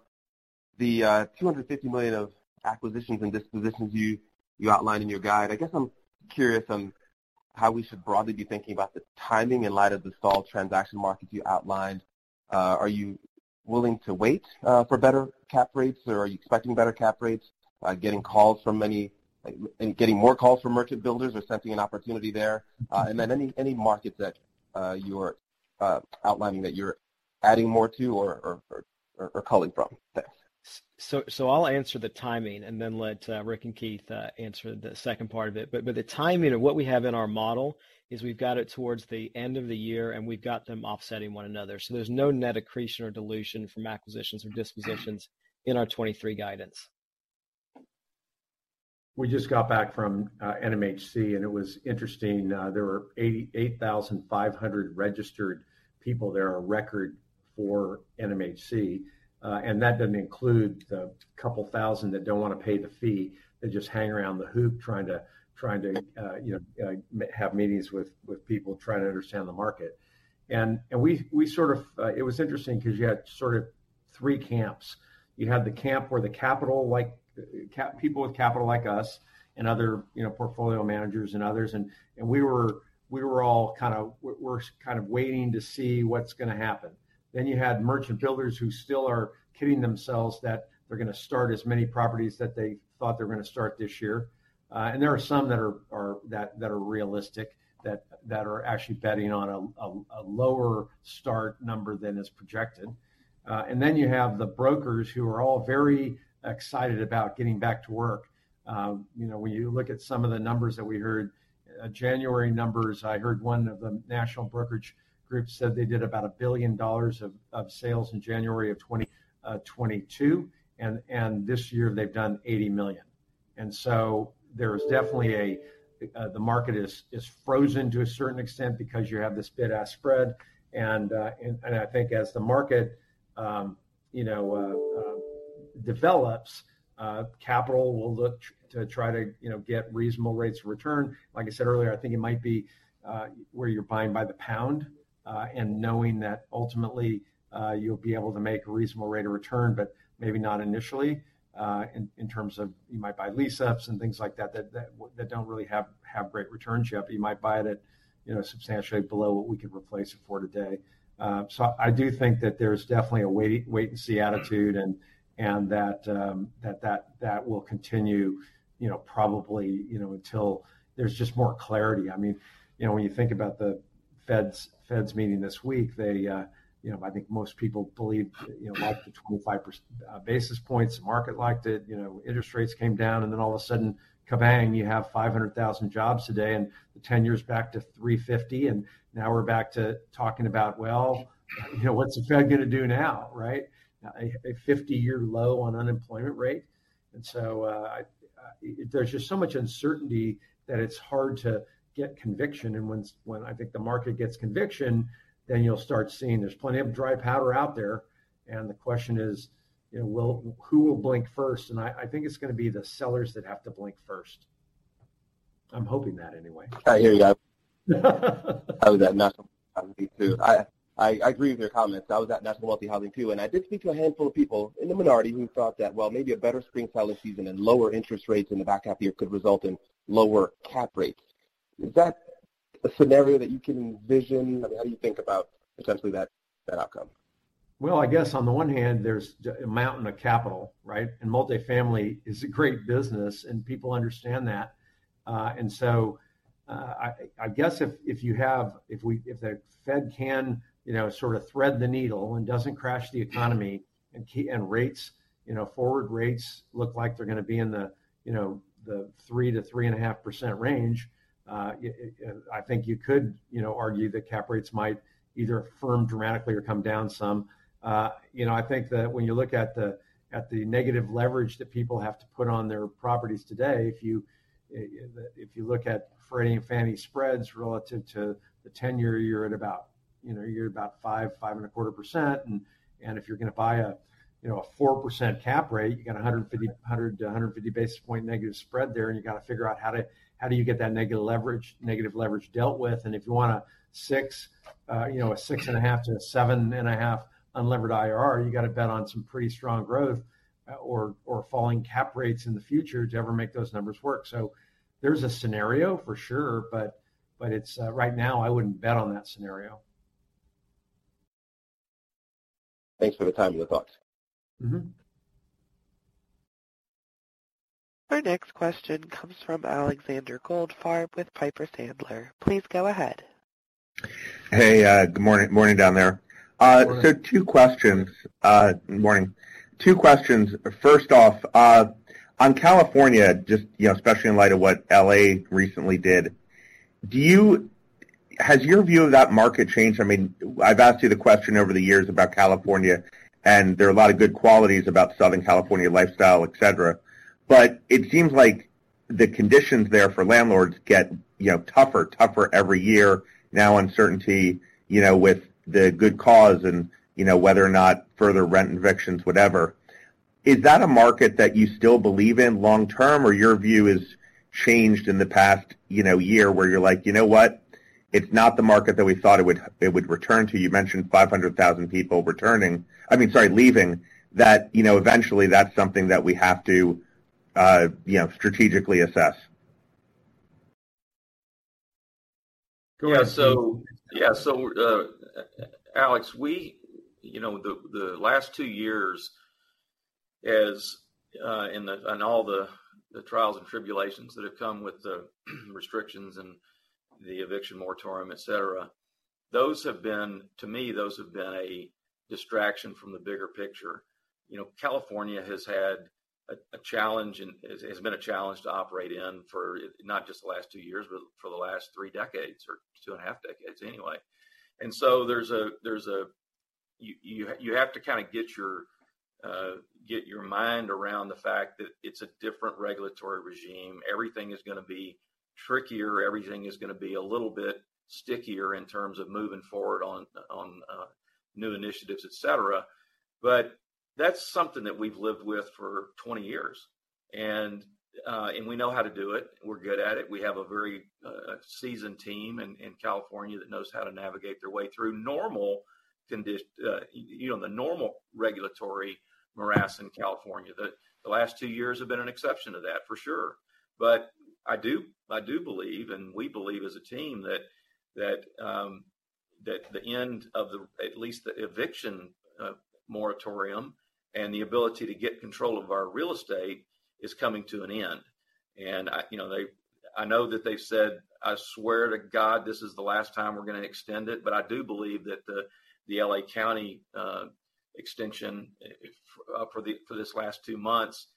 the $250 million of acquisitions and dispositions you outlined in your guide. I guess I'm curious on how we should broadly be thinking about the timing in light of the stall transaction markets you outlined. Are you willing to wait for better cap rates, or are you expecting better cap rates? Getting calls from many and getting more calls from merchant builders or sensing an opportunity there? Then any markets that you're outlining that you're adding more to or culling from? Thanks. I'll answer the timing and then let Ric and Keith answer the 2nd part of it. The timing of what we have in our model is we've got it towards the end of the year, and we've got them offsetting 1 another. There's no net accretion or dilution from acquisitions or dispositions in our 2023 guidance. We just got back from NMHC, and it was interesting. There were 88,500 registered people there, a record for NMHC. That doesn't include the 2,000 that don't wanna pay the fee. They just hang around the hoop trying to, you know, have meetings with people, trying to understand the market. It was interesting because you had 3 camps. You had the camp where the capital like people with capital like us and other, you know, portfolio managers and others, and we were all kind of waiting to see what's going to happen. You had merchant builders who still are kidding themselves that they're going to start as many properties that they thought they were going to start this year. There are some that are realistic, that are actually betting on a lower start number than is projected. Then you have the brokers who are all very excited about getting back to work. You know, when you look at some of the numbers that we heard, January numbers, I heard 1 of the national brokerage groups said they did about $1 billion of sales in January 2022, and this year they've done $80 million. There is definitely a the market is frozen to a certain extent because you have this bid-ask spread. I think as the market, you know, develops, capital will look to try to, you know, get reasonable rates of return. Like I said earlier, I think it might be where you're buying by the pound, and knowing that ultimately, you'll be able to make a reasonable rate of return, but maybe not initially, in terms of you might buy lease ups and things like that don't really have great returns yet, but you might buy it at, you know, substantially below what we could replace it for today. I do think that there's definitely a wait and see attitude and that will continue, you know, probably, you know, until there's just more clarity. I mean, you know, when you think about the Fed's meeting this week, they, you know, I think most people believed, you know, liked the 25 basis points. Market liked it. You know, interest rates came down, all of a sudden, ka-bang, you have 500,000 jobs today. The 10-year is back to 3.50. Now we're back to talking about, well, you know, what's the Fed going to do now, right? A 50-year low on unemployment rate. So there's just so much uncertainty that it's hard to get conviction. When I think the market gets conviction, then you'll start seeing there's plenty of dry powder out there. The question is, you know, who will blink first? I think it's going to be the sellers that have to blink first. I'm hoping that anyway. I hear you. I was at National Housing too. I agree with your comments. I was at National Multi-Housing too, and I did speak to a handful of people in the minority who thought that, well, maybe a better spring selling season and lower interest rates in the back half year could result in lower cap rates. Is that a scenario that you can envision? I mean, how do you think about potentially that outcome? Well, I guess on the 1 hand, there's a mountain of capital, right? Multifamily is a great business, and people understand that. I guess if the Fed can, you know, sort of thread the needle and doesn't crash the economy and rates, you know, forward rates look like they're going to be in the, you know, the 3% to 3.5% range, I think you could, you know, argue that cap rates might either firm dramatically or come down some. you know, I think that when you look at the negative leverage that people have to put on their properties today, if you look at Freddie and Fannie spreads relative to the 10 year, you're at about, you know, you're about 5.25%. If you're going to buy a, you know, a 4% cap rate, you got 100 to 150 basis point negative spread there, and you got to figure out how do you get that negative leverage dealt with. If you want a 6, you know, a 6.5% to 7.5% unlevered IRR, you got to bet on some pretty strong growth, or falling cap rates in the future to ever make those numbers work. There's a scenario for sure, but it's right now, I wouldn't bet on that scenario. Thanks for the time and the thoughts. Mm-hmm. Our next question comes from Alexander Goldfarb with Piper Sandler. Please go ahead. Hey, good morning. Morning down there. Morning. 2 questions. Morning. 2 questions. First off, on California, just, you know, especially in light of what L.A. recently did, Has your view of that market changed? I mean, I've asked you the question over the years about California, and there are a lot of good qualities about Southern California lifestyle, et cetera. It seems like the conditions there for landlords get, you know, tougher every year. Now, uncertainty, you know, with the good cause and, you know, whether or not further rent evictions, whatever. Is that a market that you still believe in long term, or your view has changed in the past, you know, year where you're like: "You know what? It's not the market that we thought it would return to." You mentioned 500,000 people, I mean, sorry, leaving. That, you know, eventually that's something that we have to, you know, strategically assess. Go ahead, Steve. Alex, you know, the last 2 years as in all the trials and tribulations that have come with the restrictions and the eviction moratorium, et cetera, those have been, to me, a distraction from the bigger picture. You know, California has had a challenge and has been a challenge to operate in for not just the last 2 years, but for the last 3 decades, or 2 and a half decades anyway. You have to kind of get your mind around the fact that it's a different regulatory regime. Everything is going to be trickier. Everything is going to be a little bit stickier in terms of moving forward on new initiatives, et cetera. That's something that we've lived with for 20 years. We know how to do it. We're good at it. We have a very seasoned team in California that knows how to navigate their way through normal, you know, the normal regulatory morass in California. The last 2 years have been an exception to that for sure. I do believe, and we believe as a team, that the end of the, at least the eviction moratorium and the ability to get control of our real estate is coming to an end. I, you know, I know that they've said, "I swear to God, this is the last time we're gonna extend it." I do believe that the L.A. County extension for this last 2 months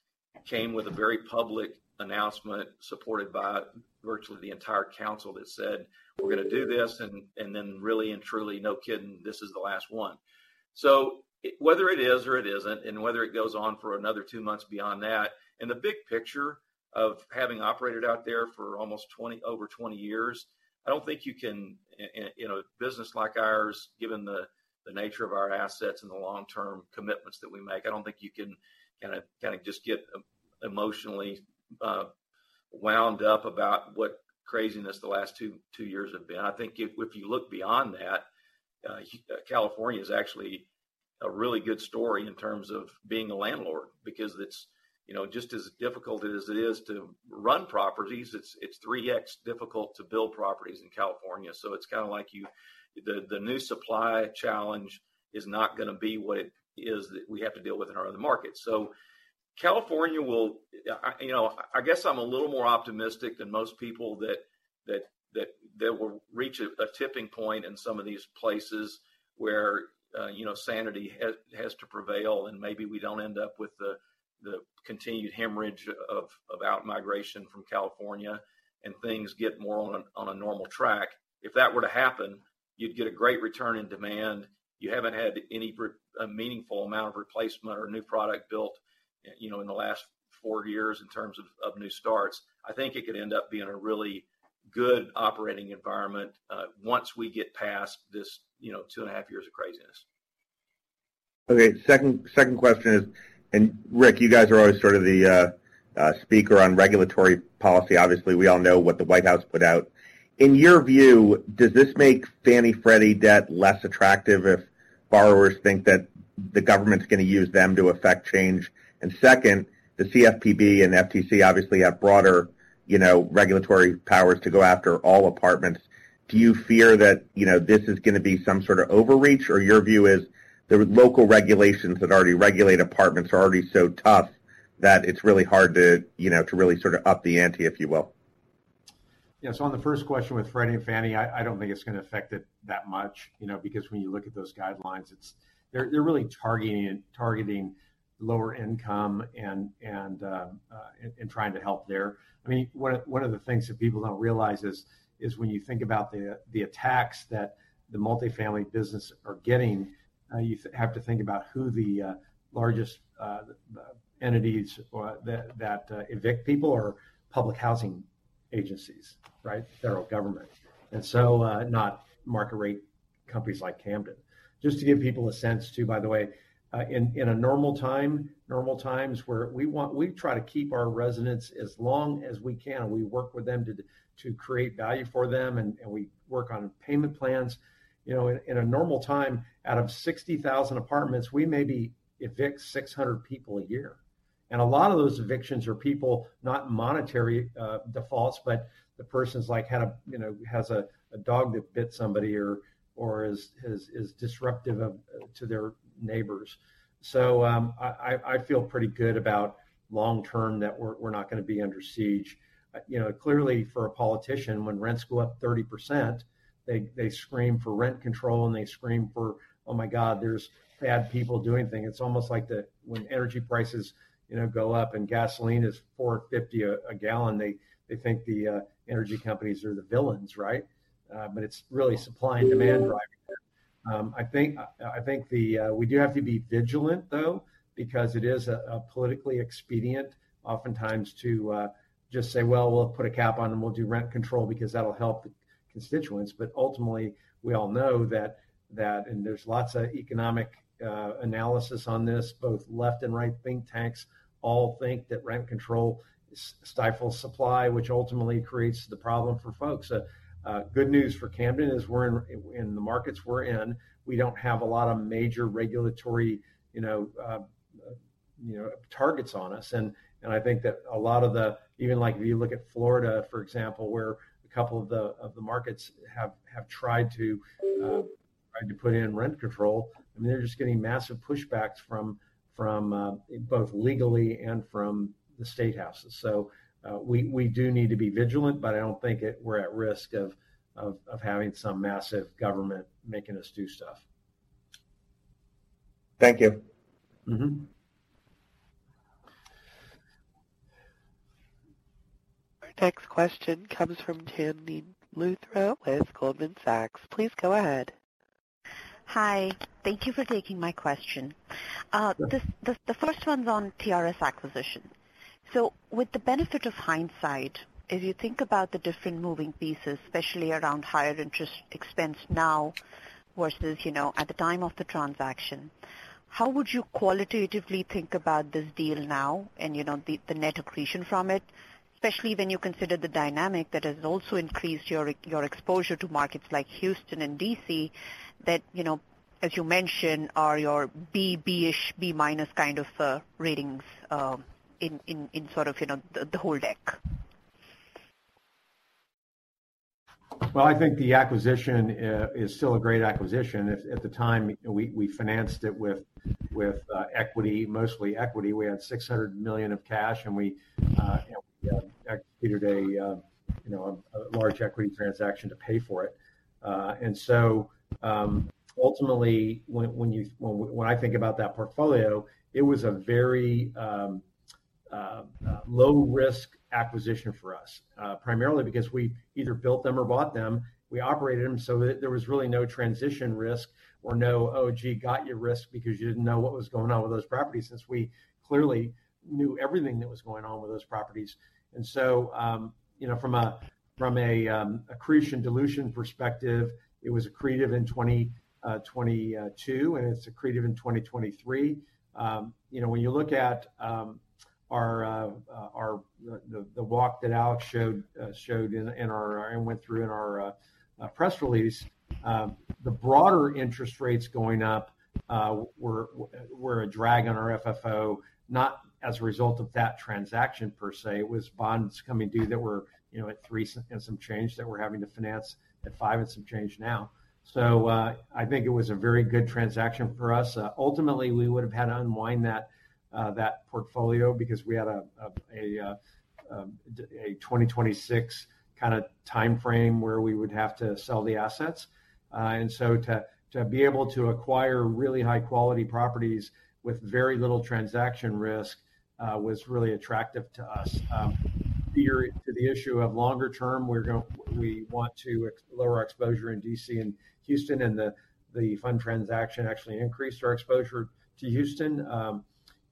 came with a very public announcement supported by virtually the entire council that said, "We're gonna do this, and then really and truly, no kidding, this is the last 1." Whether it is or it isn't, and whether it goes on for another 2 months beyond that, in the big picture of having operated out there for almost 20, over 20 years, I don't think you can- You know, a business like ours, given the nature of our assets and the long-term commitments that we make, I don't think you can kinda just get emotionally wound up about what craziness the last 2 years have been. I think if you look beyond that, California is actually a really good story in terms of being a landlord because it's, you know, just as difficult as it is to run properties, it's 3x difficult to build properties in California. It's kind of like the new supply challenge is not gonna be what it is that we have to deal with in our other markets. California will- You know, I guess I'm a little more optimistic than most people that we'll reach a tipping point in some of these places where, you know, sanity has to prevail. Maybe we don't end up with the continued hemorrhage of outmigration from California and things get more on a normal track. If that were to happen, you'd get a great return in demand. You haven't had any a meaningful amount of replacement or new product built, you know, in the last 4 years in terms of new starts. I think it could end up being a really good operating environment, once we get past this, you know, 2 and a half years of craziness. Okay. 2nd question is, Ric, you guys are always sort of the speaker on regulatory policy. Obviously, we all know what the White House put out. In your view, does this make Fannie Freddie debt less attractive if borrowers think that the government's gonna use them to affect change? 2nd, the CFPB and FTC obviously have broader, you know, regulatory powers to go after all apartments. Do you fear that, you know, this is gonna be some sort of overreach? Or your view is the local regulations that already regulate apartments are already so tough that it's really hard to, you know, to really sort of up the ante, if you will? On the 1st question with Freddie and Fannie, I don't think it's gonna affect it that much, you know, because when you look at those guidelines, They're really targeting lower income and trying to help there. I mean, 1 of the things that people don't realize is when you think about the attacks that the multifamily business are getting, you have to think about who the largest entities that evict people are public housing agencies, right? Federal Government. Not market rate companies like Camden. Just to give people a sense, too, by the way, in normal times where We try to keep our residents as long as we can. We work with them to create value for them, and we work on payment plans. You know, in a normal time, out of 60,000 apartments, we maybe evict 600 people a year. A lot of those evictions are people, not monetary defaults, but the person's, like, had a, you know, has a dog that bit somebody or is disruptive to their neighbors. I feel pretty good about long term that we're not gonna be under siege. You know, clearly for a politician, when rents go up 30%, they scream for rent control, and they scream for, "Oh my God, there's bad people doing things." It's almost like when energy prices, you know, go up and gasoline is $4.50 a gallon, they think the energy companies are the villains, right? It's really supply and demand driving that. I think we do have to be vigilant though, because it is politically expedient oftentimes to just say, "Well, we'll put a cap on and we'll do rent control because that'll help the constituents." Ultimately, we all know that, and there's lots of economic analysis on this, both left and right think tanks all think that rent control stifles supply, which ultimately creates the problem for folks. Good news for Camden is we're in the markets we're in, we don't have a lot of major regulatory, you know, you know, targets on us. I think that a lot of the, Even, like, if you look at Florida, for example, where a couple of the markets have tried to put in rent control, I mean, they're just getting massive pushbacks from both legally and from the state houses. We do need to be vigilant, but I don't think we're at risk of having some massive government making us do stuff. Thank you. Mm-hmm. Our next question comes from Chandni Luthra with Goldman Sachs. Please go ahead. Hi. Thank you for taking my question. The first one's on TRS acquisition. With the benefit of hindsight, if you think about the different moving pieces, especially around higher interest expense now versus, you know, at the time of the transaction, how would you qualitatively think about this deal now and, you know, the net accretion from it? Especially when you consider the dynamic that has also increased your exposure to markets like Houston and D.C. that, you know, as you mentioned, are your B-ish, B-minus kind of ratings in sort of, you know, the whole deck. Well, I think the acquisition is still a great acquisition. At the time, we financed it with equity, mostly equity. We had $600 million of cash, and we, you know, executed a large equity transaction to pay for it. Ultimately, when I think about that portfolio, it was a very low risk acquisition for us, primarily because we either built them or bought them. We operated them, so there was really no transition risk or no, oh, gee, got your risk because you didn't know what was going on with those properties, since we clearly knew everything that was going on with those properties. You know, from a accretion dilution perspective, it was accretive in 2022, and it's accretive in 2023. You know, when you look at our. The walk that Alex showed in our, and went through in our press release, the broader interest rates going up were a drag on our FFO, not as a result of that transaction per se. It was bonds coming due that were, you know, at 3 and some change that we're having to finance at 5 and some change now. I think it was a very good transaction for us. Ultimately, we would've had to unwind that that portfolio because we had a 2026 kinda timeframe where we would have to sell the assets. To be able to acquire really high quality properties with very little transaction risk was really attractive to us. To the issue of longer term, we want to lower our exposure in D.C. and Houston, and the fund transaction actually increased our exposure to Houston.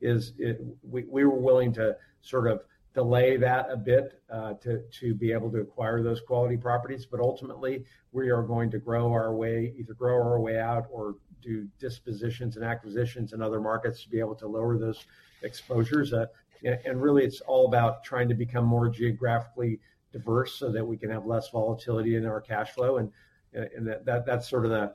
We were willing to sort of delay that a bit to be able to acquire those quality properties. Ultimately, we are going to grow our way out or do dispositions and acquisitions in other markets to be able to lower those exposures. Really, it's all about trying to become more geographically diverse so that we can have less volatility in our cash flow, and that's sort of the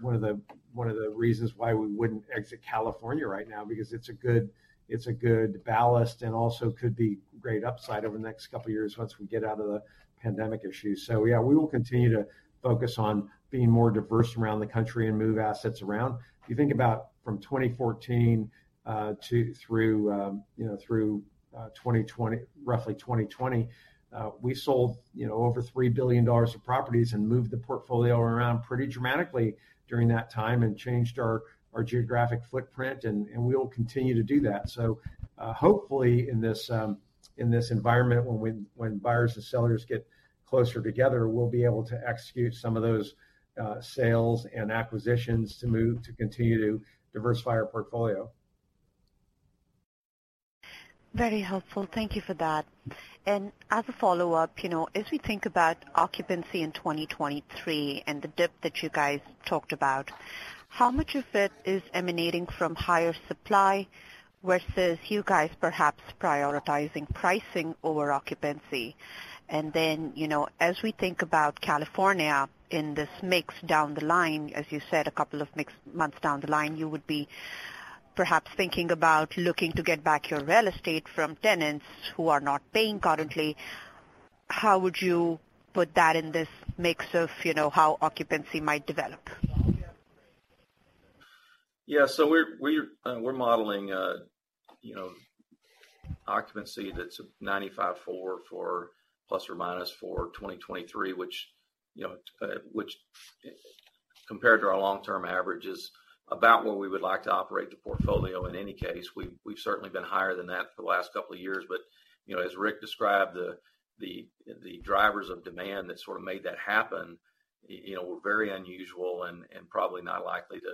1 of the reasons why we wouldn't exit California right now, because it's a good, it's a good ballast and also could be great upside over the next couple of years once we get out of the pandemic issue. Yeah, we will continue to focus on being more diverse around the country and move assets around. If you think about from 2014 to through, you know, through roughly 2020, we sold, you know, over $3 billion of properties and moved the portfolio around pretty dramatically during that time and changed our geographic footprint and we will continue to do that. Hopefully in this environment when buyers and sellers get closer together, we'll be able to execute some of those sales and acquisitions to move to continue to diversify our portfolio. Very helpful. Thank you for that. As a follow-up, you know, as we think about occupancy in 2023 and the dip that you guys talked about, how much of it is emanating from higher supply versus you guys perhaps prioritizing pricing over occupancy? You know, as we think about California in this mix down the line, as you said, a couple of months down the line, you would be perhaps thinking about looking to get back your real estate from tenants who are not paying currently. How would you put that in this mix of, you know, how occupancy might develop? Yeah. We're modeling, you know, occupancy that's 95.4 ± for 2023, which, you know, which compared to our long-term average is about where we would like to operate the portfolio in any case. We've certainly been higher than that for the last couple of years. You know, as Rick described, the drivers of demand that sort of made that happen, you know, were very unusual and probably not likely to.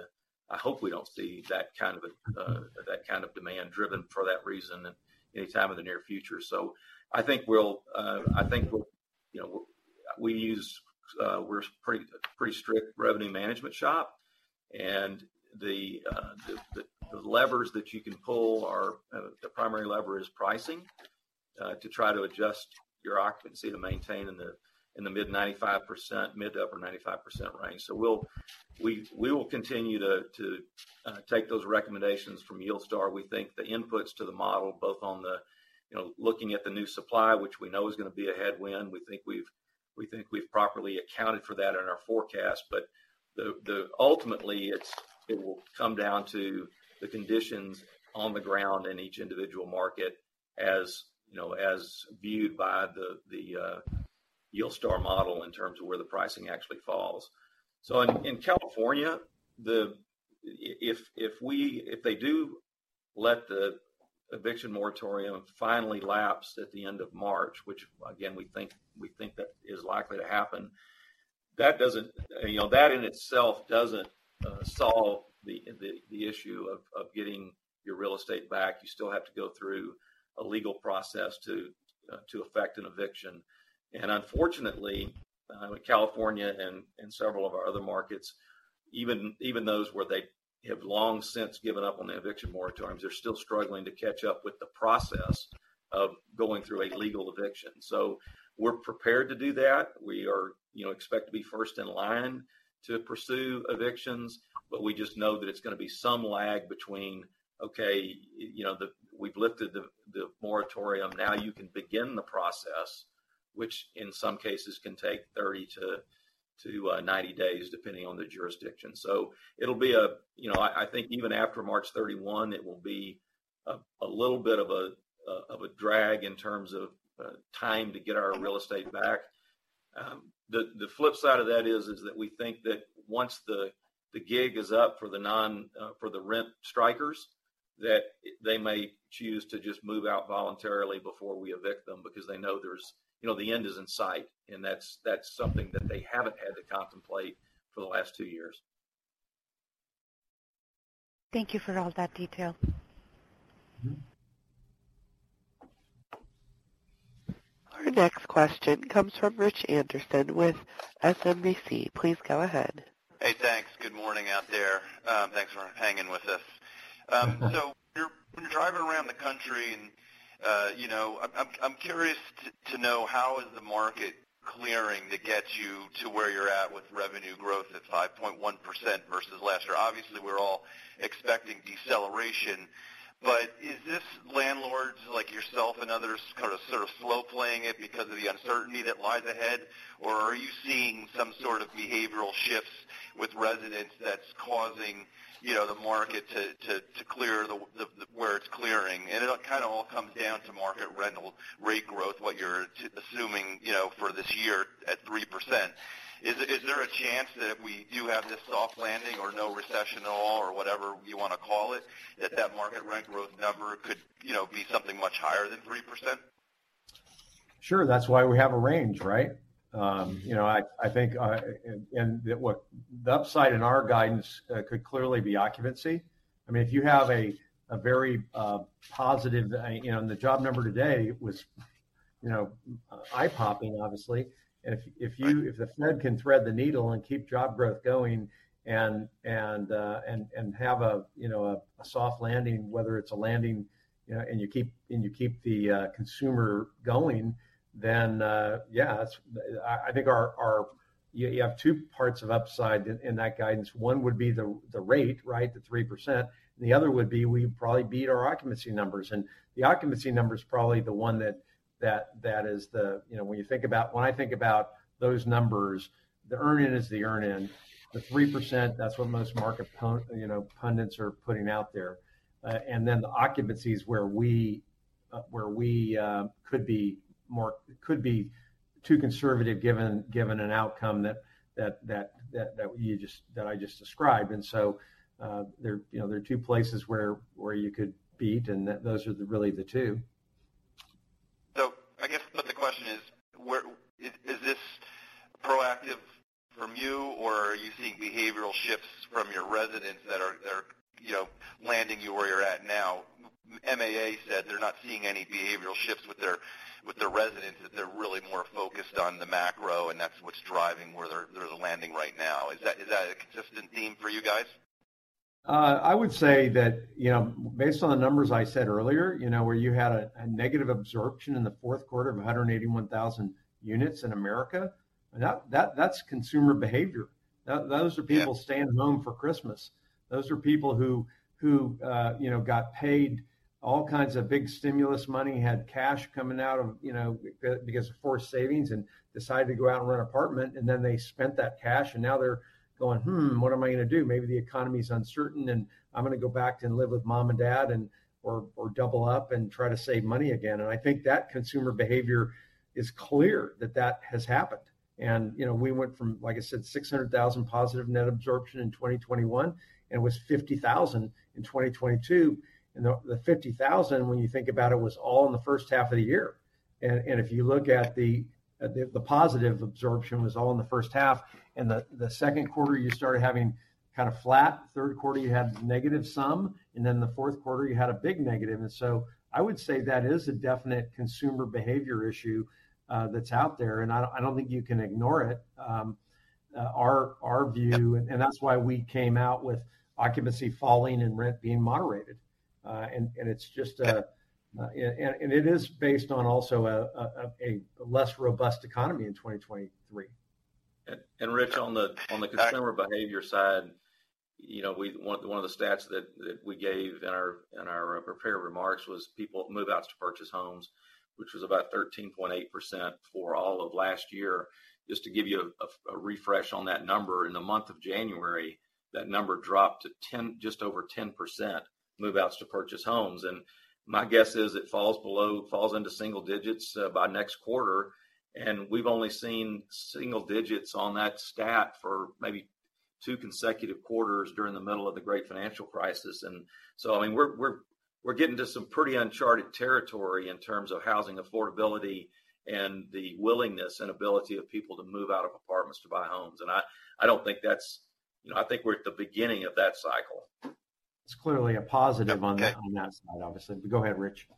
I hope we don't see that kind of a that kind of demand driven for that reason anytime in the near future. I think we'll, you know, we use. We're pretty strict revenue management shop. The levers that you can pull are, the primary lever is pricing, to try to adjust your occupancy to maintain in the, in the mid 95%, mid to upper 95% range. We will continue to take those recommendations from YieldStar. We think the inputs to the model, both on the, you know, looking at the new supply, which we know is gonna be a headwind, we think we've properly accounted for that in our forecast. Ultimately, it will come down to the conditions on the ground in each individual market, as, you know, as viewed by the YieldStar model in terms of where the pricing actually falls. In California, if they do let the eviction moratorium finally lapse at the end of March, which again, we think that is likely to happen, that doesn't, you know, that in itself doesn't solve the issue of getting. Your real estate back, you still have to go through a legal process to effect an eviction. Unfortunately, with California and several of our other markets, even those where they have long since given up on the eviction moratorium, they're still struggling to catch up with the process of going through a legal eviction. We're prepared to do that. You know, expect to be first in line to pursue evictions, but we just know that it's gonna be some lag between, okay, you know, we've lifted the moratorium, now you can begin the process, which in some cases can take 30 to 90 days, depending on the jurisdiction. It'll be a- You know, I think even after March 31, it will be a little bit of a drag in terms of time to get our real estate back. The flip side of that is that we think that once the gig is up for the rent strikers, that they may choose to just move out voluntarily before we evict them because they know there's. You know, the end is in sight, and that's something that they haven't had to contemplate for the last 2 years. Thank you for all that detail. Mm-hmm. Our next question comes from Rich Anderson with SMBC. Please go ahead. Hey, thanks. Good morning out there. Thanks for hanging with us. Mm-hmm. You're driving around the country and I'm curious to know how is the market clearing that gets you to where you're at with revenue growth at 5.1% versus last year. Obviously, we're all expecting deceleration, is this landlords like yourself and others kind of sort of slow playing it because of the uncertainty that lies ahead, or are you seeing some sort of behavioral shifts with residents that's causing the market to clear where it's clearing? It all kind of comes down to market rental rate growth, what you're assuming for this year at 3%. Is there a chance that if we do have this soft landing or no recession at all, or whatever you wanna call it, that market rent growth number could, you know, be something much higher than 3%? Sure. That's why we have a range, right? you know, I think. The upside in our guidance could clearly be occupancy. I mean, if you have a very positive. You know, the job number today was, you know, eye-popping obviously. If you- Right. If the Fed can thread the needle and keep job growth going and have a, you know, a soft landing, whether it's a landing, you know, and you keep the consumer going, then, yeah. I think you have 2 parts of upside in that guidance. 1 would be the rate, right? The 3%. The other would be, we probably beat our occupancy numbers. The occupancy number is probably the 1 that, when I think about those numbers, the earn-in is the earn-in. The 3%, that's what most market pundits are putting out there. The occupancy is where- could be too conservative given an outcome that you just, that I just described. There, you know, there are 2 places where you could beat, and those are the really the 2. I guess what the question is: Is this proactive from you, or are you seeing behavioral shifts from your residents that are, you know, landing you where you're at now? MAA said they're not seeing any behavioral shifts with their residents, that they're really more focused on the macro, that's what's driving where they're landing right now. Is that a consistent theme for you guys? I would say that, you know, based on the numbers I said earlier, you know, where you had a negative absorption in the Q4 of 181,000 units in America, that's consumer behavior. Those are people. Yeah. staying home for Christmas. Those are people who, you know, got paid all kinds of big stimulus money, had cash coming out of, you know, because of forced savings, and decided to go out and rent an apartment, and then they spent that cash, and now they're going, "Hmm, what am I gonna do? Maybe the economy's uncertain, and I'm gonna go back and live with mom and dad or double up and try to save money again." I think that consumer behavior is clear that that has happened. You know, we went from, like I said, 600,000 positive net absorption in 2021, and it was 50,000 in 2022. The 50,000, when you think about it, was all in the H1 of the year. If you look at the positive absorption was all in the H1, and the Q2 you started having kind of flat. Q3 you had negative some, then the Q4 you had a big negative. I would say that is a definite consumer behavior issue that's out there, and I don't think you can ignore it. Our view, and that's why we came out with occupancy falling and rent being moderated. It's just. It is based on also a less robust economy in 2023. Rich, on the consumer behavior side, you know, 1 of the stats we gave in our prepared remarks was people move out to purchase homes, which was about 13.8% for all of last year. Just to give you a refresh on that number, in the month of January, that number dropped to 10%, just over 10%, move-outs to purchase homes. My guess is it falls into single digits by next quarter, and we've only seen single digits on that stat for maybe 2 consecutive quarters during the middle of the great financial crisis. I mean, We're getting to some pretty uncharted territory in terms of housing affordability and the willingness and ability of people to move out of apartments to buy homes. I don't think that's, you know, I think we're at the beginning of that cycle. It's clearly a positive on that, on that side, obviously. Go ahead, Rich.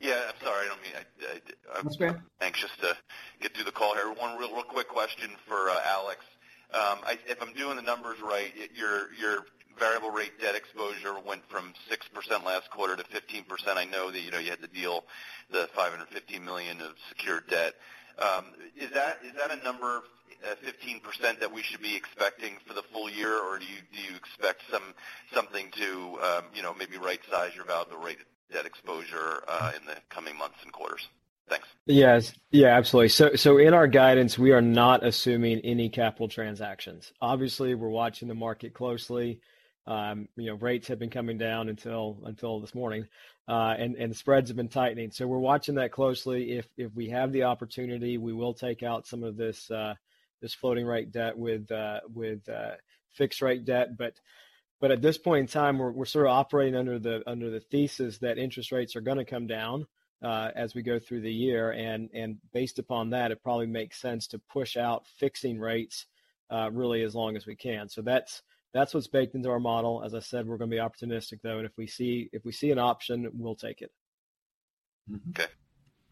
Yeah, I'm sorry. I don't mean, I. That's okay. I'm anxious to get through the call here. 1 real quick question for Alex. If I'm doing the numbers right, your variable rate debt exposure went from 6% last quarter to 15%. I know that, you know, you had to deal the $550 million of secured debt. Is that a number, 15% that we should be expecting for the full year? Do you expect something to, you know, maybe right size your about the rate debt exposure in the coming months and quarters? Thanks. Yes. Yeah, absolutely. In our guidance, we are not assuming any capital transactions. Obviously, we're watching the market closely. You know, rates have been coming down until this morning, and the spreads have been tightening. We're watching that closely. If we have the opportunity, we will take out some of this floating rate debt with fixed rate debt. At this point in time, we're sort of operating under the thesis that interest rates are gonna come down as we go through the year. Based upon that, it probably makes sense to push out fixing rates really as long as we can. That's what's baked into our model. As I said, we're gonna be opportunistic, though, and if we see, if we see an option, we'll take it. Mm-hmm. Okay.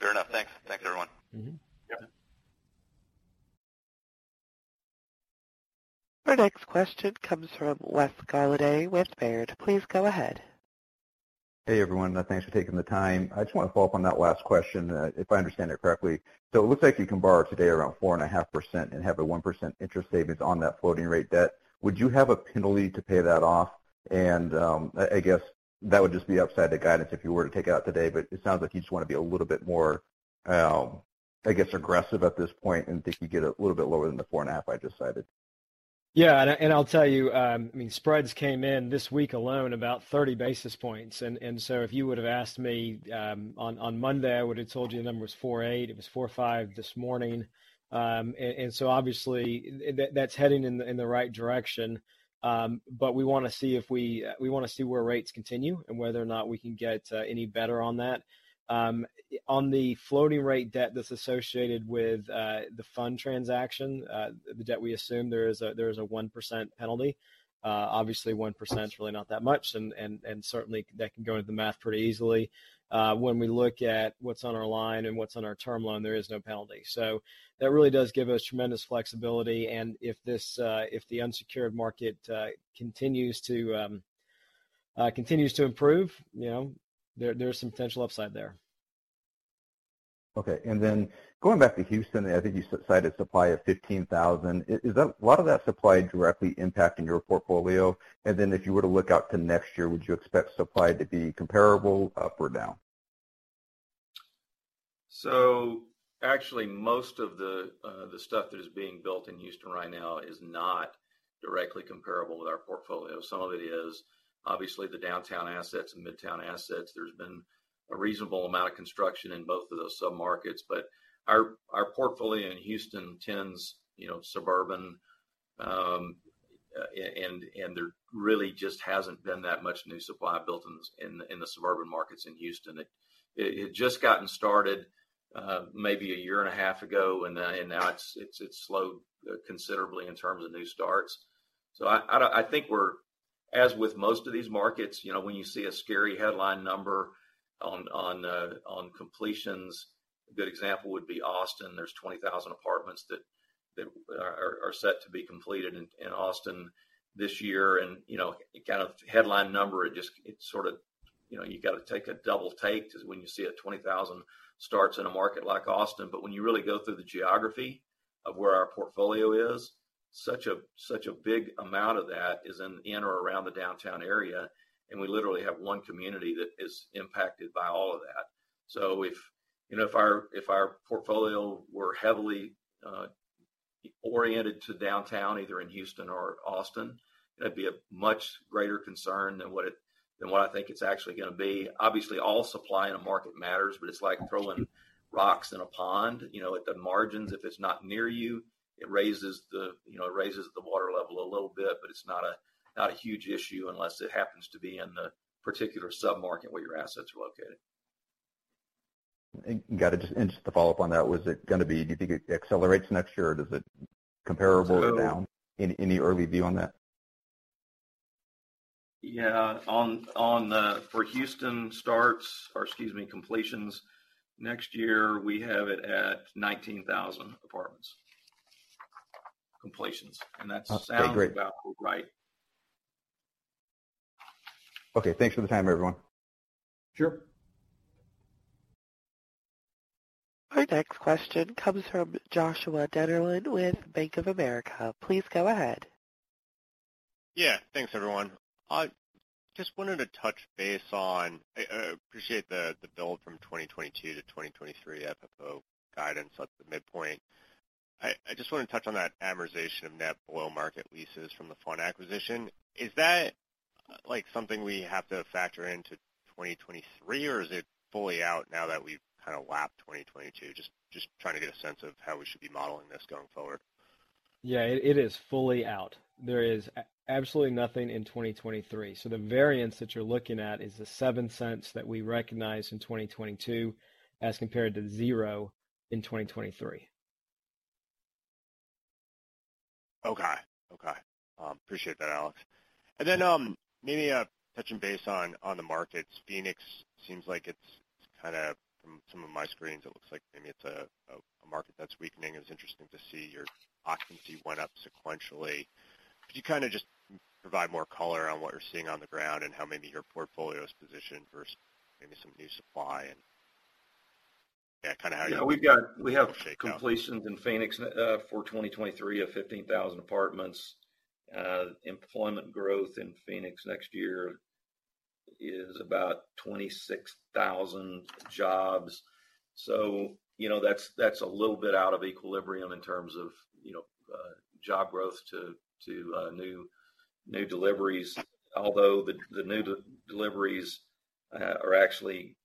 Fair enough. Thanks. Thanks, everyone. Mm-hmm. Our next question comes from Wes Golladay with Baird. Please go ahead. Hey, everyone. Thanks for taking the time. I just want to follow up on that last question, if I understand it correctly. It looks like you can borrow today around 4.5% and have a 1% interest savings on that floating rate debt. Would you have a penalty to pay that off? I guess that would just be outside the guidance if you were to take it out today, but it sounds like you just want to be a little bit more, I guess, aggressive at this point, and if you could get a little bit lower than the 4.5 I just cited. I'll tell you, I mean spreads came in this week alone about 30 basis points. If you would have asked me on Monday, I would have told you the number was 4.8. It was 4.5 this morning. Obviously that's heading in the right direction. We wanna see where rates continue and whether or not we can get any better on that. On the floating rate debt that's associated with the fund transaction, the debt we assume there is a 1% penalty. Obviously 1%'s really not that much, and certainly that can go into the math pretty easily. When we look at what's on our line and what's on our term loan, there is no penalty. That really does give us tremendous flexibility. If this, if the unsecured market, continues to improve, you know, there's some potential upside there. Okay. Going back to Houston, I think you cited supply of 15,000. Is that a lot of that supply directly impacting your portfolio? If you were to look out to next year, would you expect supply to be comparable up or down? Actually, most of the stuff that is being built in Houston right now is not directly comparable with our portfolio. Some of it is. Obviously, the downtown assets and midtown assets, there's been a reasonable amount of construction in both of those sub-markets. Our portfolio in Houston tends, you know, suburban, and there really just hasn't been that much new supply built in the suburban markets in Houston. It had just gotten started, maybe a year and a half ago, and now it's slowed considerably in terms of new starts. I think we're, as with most of these markets, you know, when you see a scary headline number on completions, a good example would be Austin. There's 20,000 apartments that are set to be completed in Austin this year. You know, kind of headline number, It sort of, you know, you got to take a double take to when you see a 20,000 starts in a market like Austin. When you really go through the geography of where our portfolio is, such a big amount of that is in or around the downtown area, and we literally have 1 community that is impacted by all of that. If, you know, if our, if our portfolio were heavily oriented to downtown, either in Houston or Austin, that'd be a much greater concern than what I think it's actually gonna be. Obviously, all supply in a market matters, but it's like throwing rocks in a pond. You know, at the margins, if it's not near you, it raises the, you know, it raises the water level a little bit, but it's not a huge issue unless it happens to be in the particular sub-market where your assets are located. Got it. Just to follow up on that, was it gonna be. Do you think it accelerates next year, or does it comparable or down? So- Any early view on that? Yeah. For Houston starts or, excuse me, completions, next year, we have it at 19,000 apartments completions- Okay, great. about right. Okay, thanks for the time, everyone. Sure. Our next question comes from Joshua Dennerlein with Bank of America. Please go ahead. Yeah. Thanks, everyone. I just wanted to touch base on, appreciate the build from 2022 to 2023 FFO guidance at the midpoint. I just want to touch on that amortization of net below market leases from the fund acquisition. Is that, like, something we have to factor into 2023, or is it fully out now that we've kind of lapped 2022? Just trying to get a sense of how we should be modeling this going forward. Yeah, it is fully out. There is absolutely nothing in 2023. The variance that you're looking at is the $0.07 that we recognized in 2022 as compared to 0 in 2023. Okay. Okay. Appreciate that, Alex. Then, maybe, touching base on the markets. From some of my screens, it looks like maybe it's a market that's weakening. It was interesting to see your occupancy went up sequentially. Could you kind of just provide more color on what you're seeing on the ground and how maybe your portfolio is positioned versus maybe some new supply and, yeah, kind of how you? Yeah. see it all shake out. We have completions in Phoenix for 2023 of 15,000 apartments. Employment growth in Phoenix next year is about 26,000 jobs. You know, that's a little bit out of equilibrium in terms of, you know, job growth to new deliveries. Although the new deliveries have actually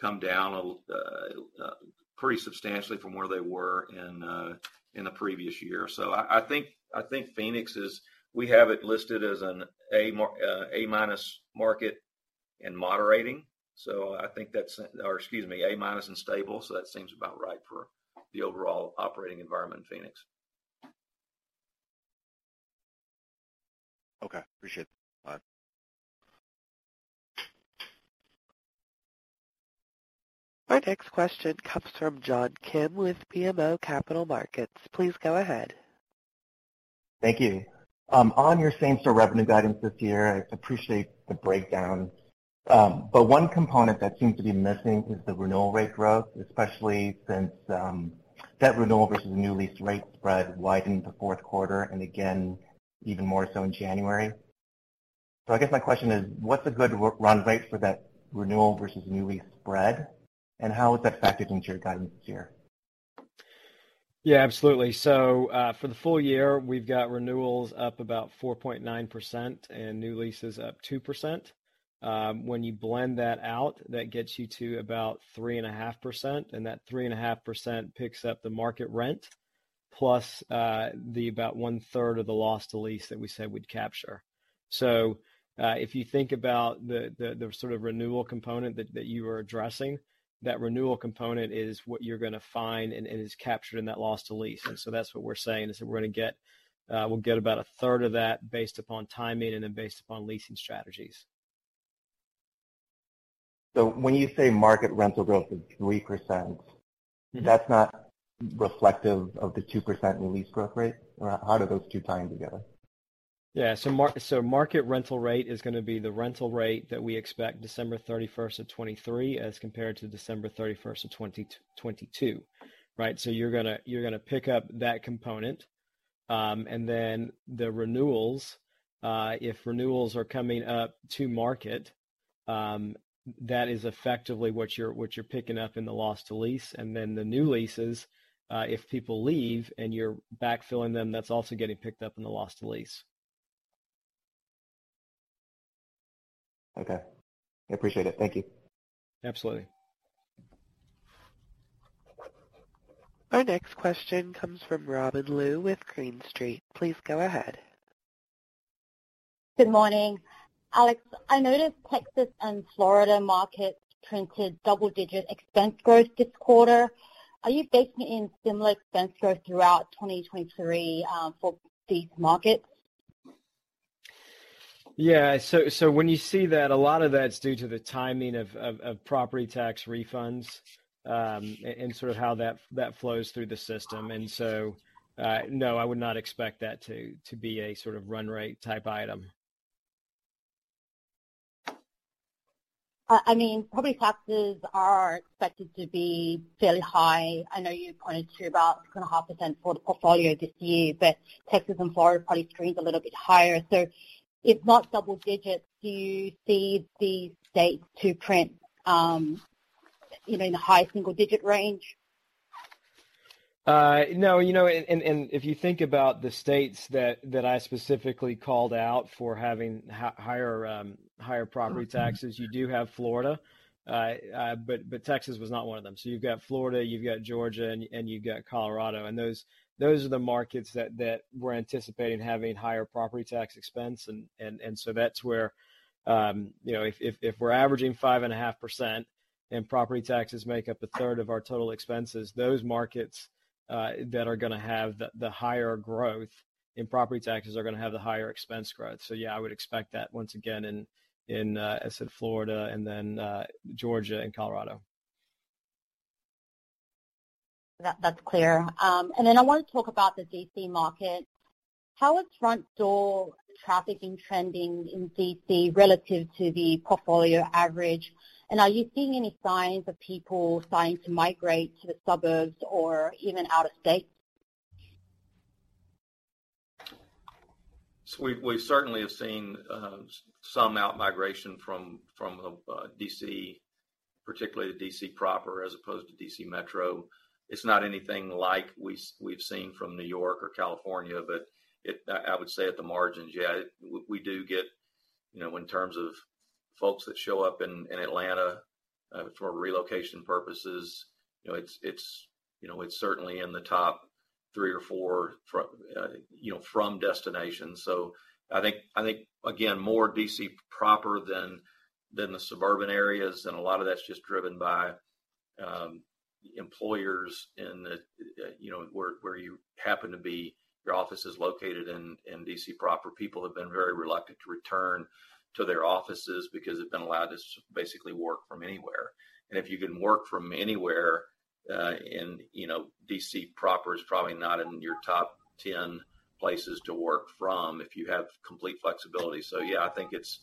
come down pretty substantially from where they were in the previous year. I think Phoenix is. We have it listed as an A-minus market and moderating, so I think that's. Or excuse me, A-minus and stable, so that seems about right for the overall operating environment in Phoenix. Okay. Appreciate that. Bye. Our next question comes from John Kim with BMO Capital Markets. Please go ahead. Thank you. On your same-store revenue guidance this year, I appreciate the breakdown. 1 component that seems to be missing is the renewal rate growth, especially since that renewal versus new lease rate spread widened the Q4 and again even more so in January. I guess my question is, what's a good run rate for that renewal versus new lease spread, and how is that factored into your guidance this year? Yeah, absolutely. For the full year, we've got renewals up about 4.9% and new leases up 2%. When you blend that out, that gets you to about 3.5%, and that 3.5% picks up the market rent, plus the about 1/3 of the loss to lease that we said we'd capture. If you think about the sort of renewal component that you are addressing, that renewal component is what you're gonna find and is captured in that loss to lease. That's what we're saying is that we'll get about 1/3 of that based upon timing and then based upon leasing strategies. When you say market rental growth is 3%. Mm-hmm. That's not reflective of the 2% new lease growth rate? How do those 2 tie in together? Yeah. Market rental rate is gonna be the rental rate that we expect December 31st of 2023 as compared to December 31st of 2022, right? You're gonna pick up that component. The renewals, if renewals are coming up to market, that is effectively what you're picking up in the loss to lease. The new leases, if people leave and you're backfilling them, that's also getting picked up in the loss to lease. Okay. I appreciate it. Thank you. Absolutely. Our next question comes from Robin Lou with Green Street. Please go ahead. Good morning. Alex, I noticed Texas and Florida markets printed double-digit expense growth this quarter. Are you baking in similar expense growth throughout 2023 for these markets? Yeah. When you see that, a lot of that's due to the timing of property tax refunds, and sort of how that flows through the system. No, I would not expect that to be a sort of run rate type item. I mean, property taxes are expected to be fairly high. I know you pointed to about 2.5% for the portfolio this year, but Texas and Florida probably screens a little bit higher. If not double-digits, do you see these states to print, you know, in the high single-digit range? No. You know, if you think about the states that I specifically called out for having higher property taxes, you do have Florida. Texas was not 1 of them. You've got Florida, you've got Georgia, and you've got Colorado. Those are the markets that we're anticipating having higher property tax expense. So that's where, you know, if we're averaging 5.5% and property taxes make up 1/3 of our total expenses, those markets that are gonna have the higher growth in property taxes are gonna have the higher expense growth. Yeah, I would expect that once again in as said, Florida and then Georgia and Colorado. That's clear. Then I want to talk about the D.C. market. How is front door trafficking trending in D.C. relative to the portfolio average? Are you seeing any signs of people starting to migrate to the suburbs or even out of state? We've certainly seen some outmigration from D.C., particularly the D.C. proper as opposed to D.C. Metro. It's not anything like we've seen from New York or California. I would say at the margins, yeah, we do get, you know, in terms of folks that show up in Atlanta for relocation purposes, you know, it's certainly in the top 3 or 4, you know, from destinations. I think again, more D.C. proper than the suburban areas. A lot of that's just driven by employers in the, you know, where you happen to be. Your office is located in D.C. proper. People have been very reluctant to return to their offices because they've been allowed to basically work from anywhere. If you can work from anywhere, in, you know, D.C. proper is probably not in your top 10 places to work from if you have complete flexibility. Yeah, I think it's.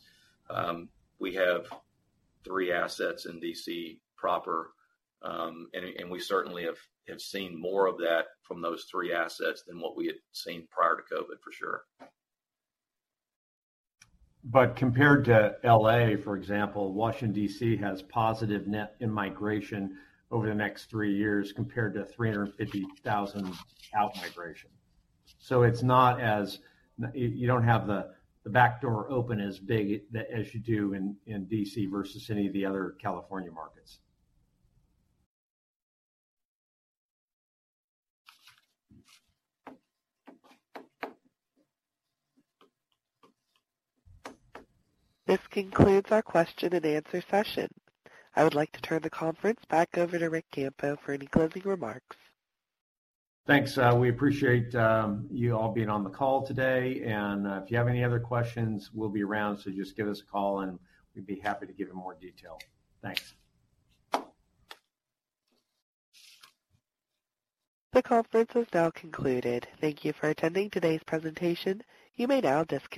We have 3 assets in D.C. proper, and we certainly have seen more of that from those 3 assets than what we had seen prior to COVID, for sure. Compared to L.A., for example, Washington D.C. has positive net in-migration over the next 3 years compared to 350,000 out-migration. You don't have the backdoor open as big as you do in D.C. versus any of the other California markets. This concludes our question and answer session. I would like to turn the conference back over to Ric Campo for any closing remarks. Thanks. We appreciate you all being on the call today. If you have any other questions, we'll be around, so just give us a call, and we'd be happy to give you more detail. Thanks. The conference is now concluded. Thank you for attending today's presentation. You may now disconnect.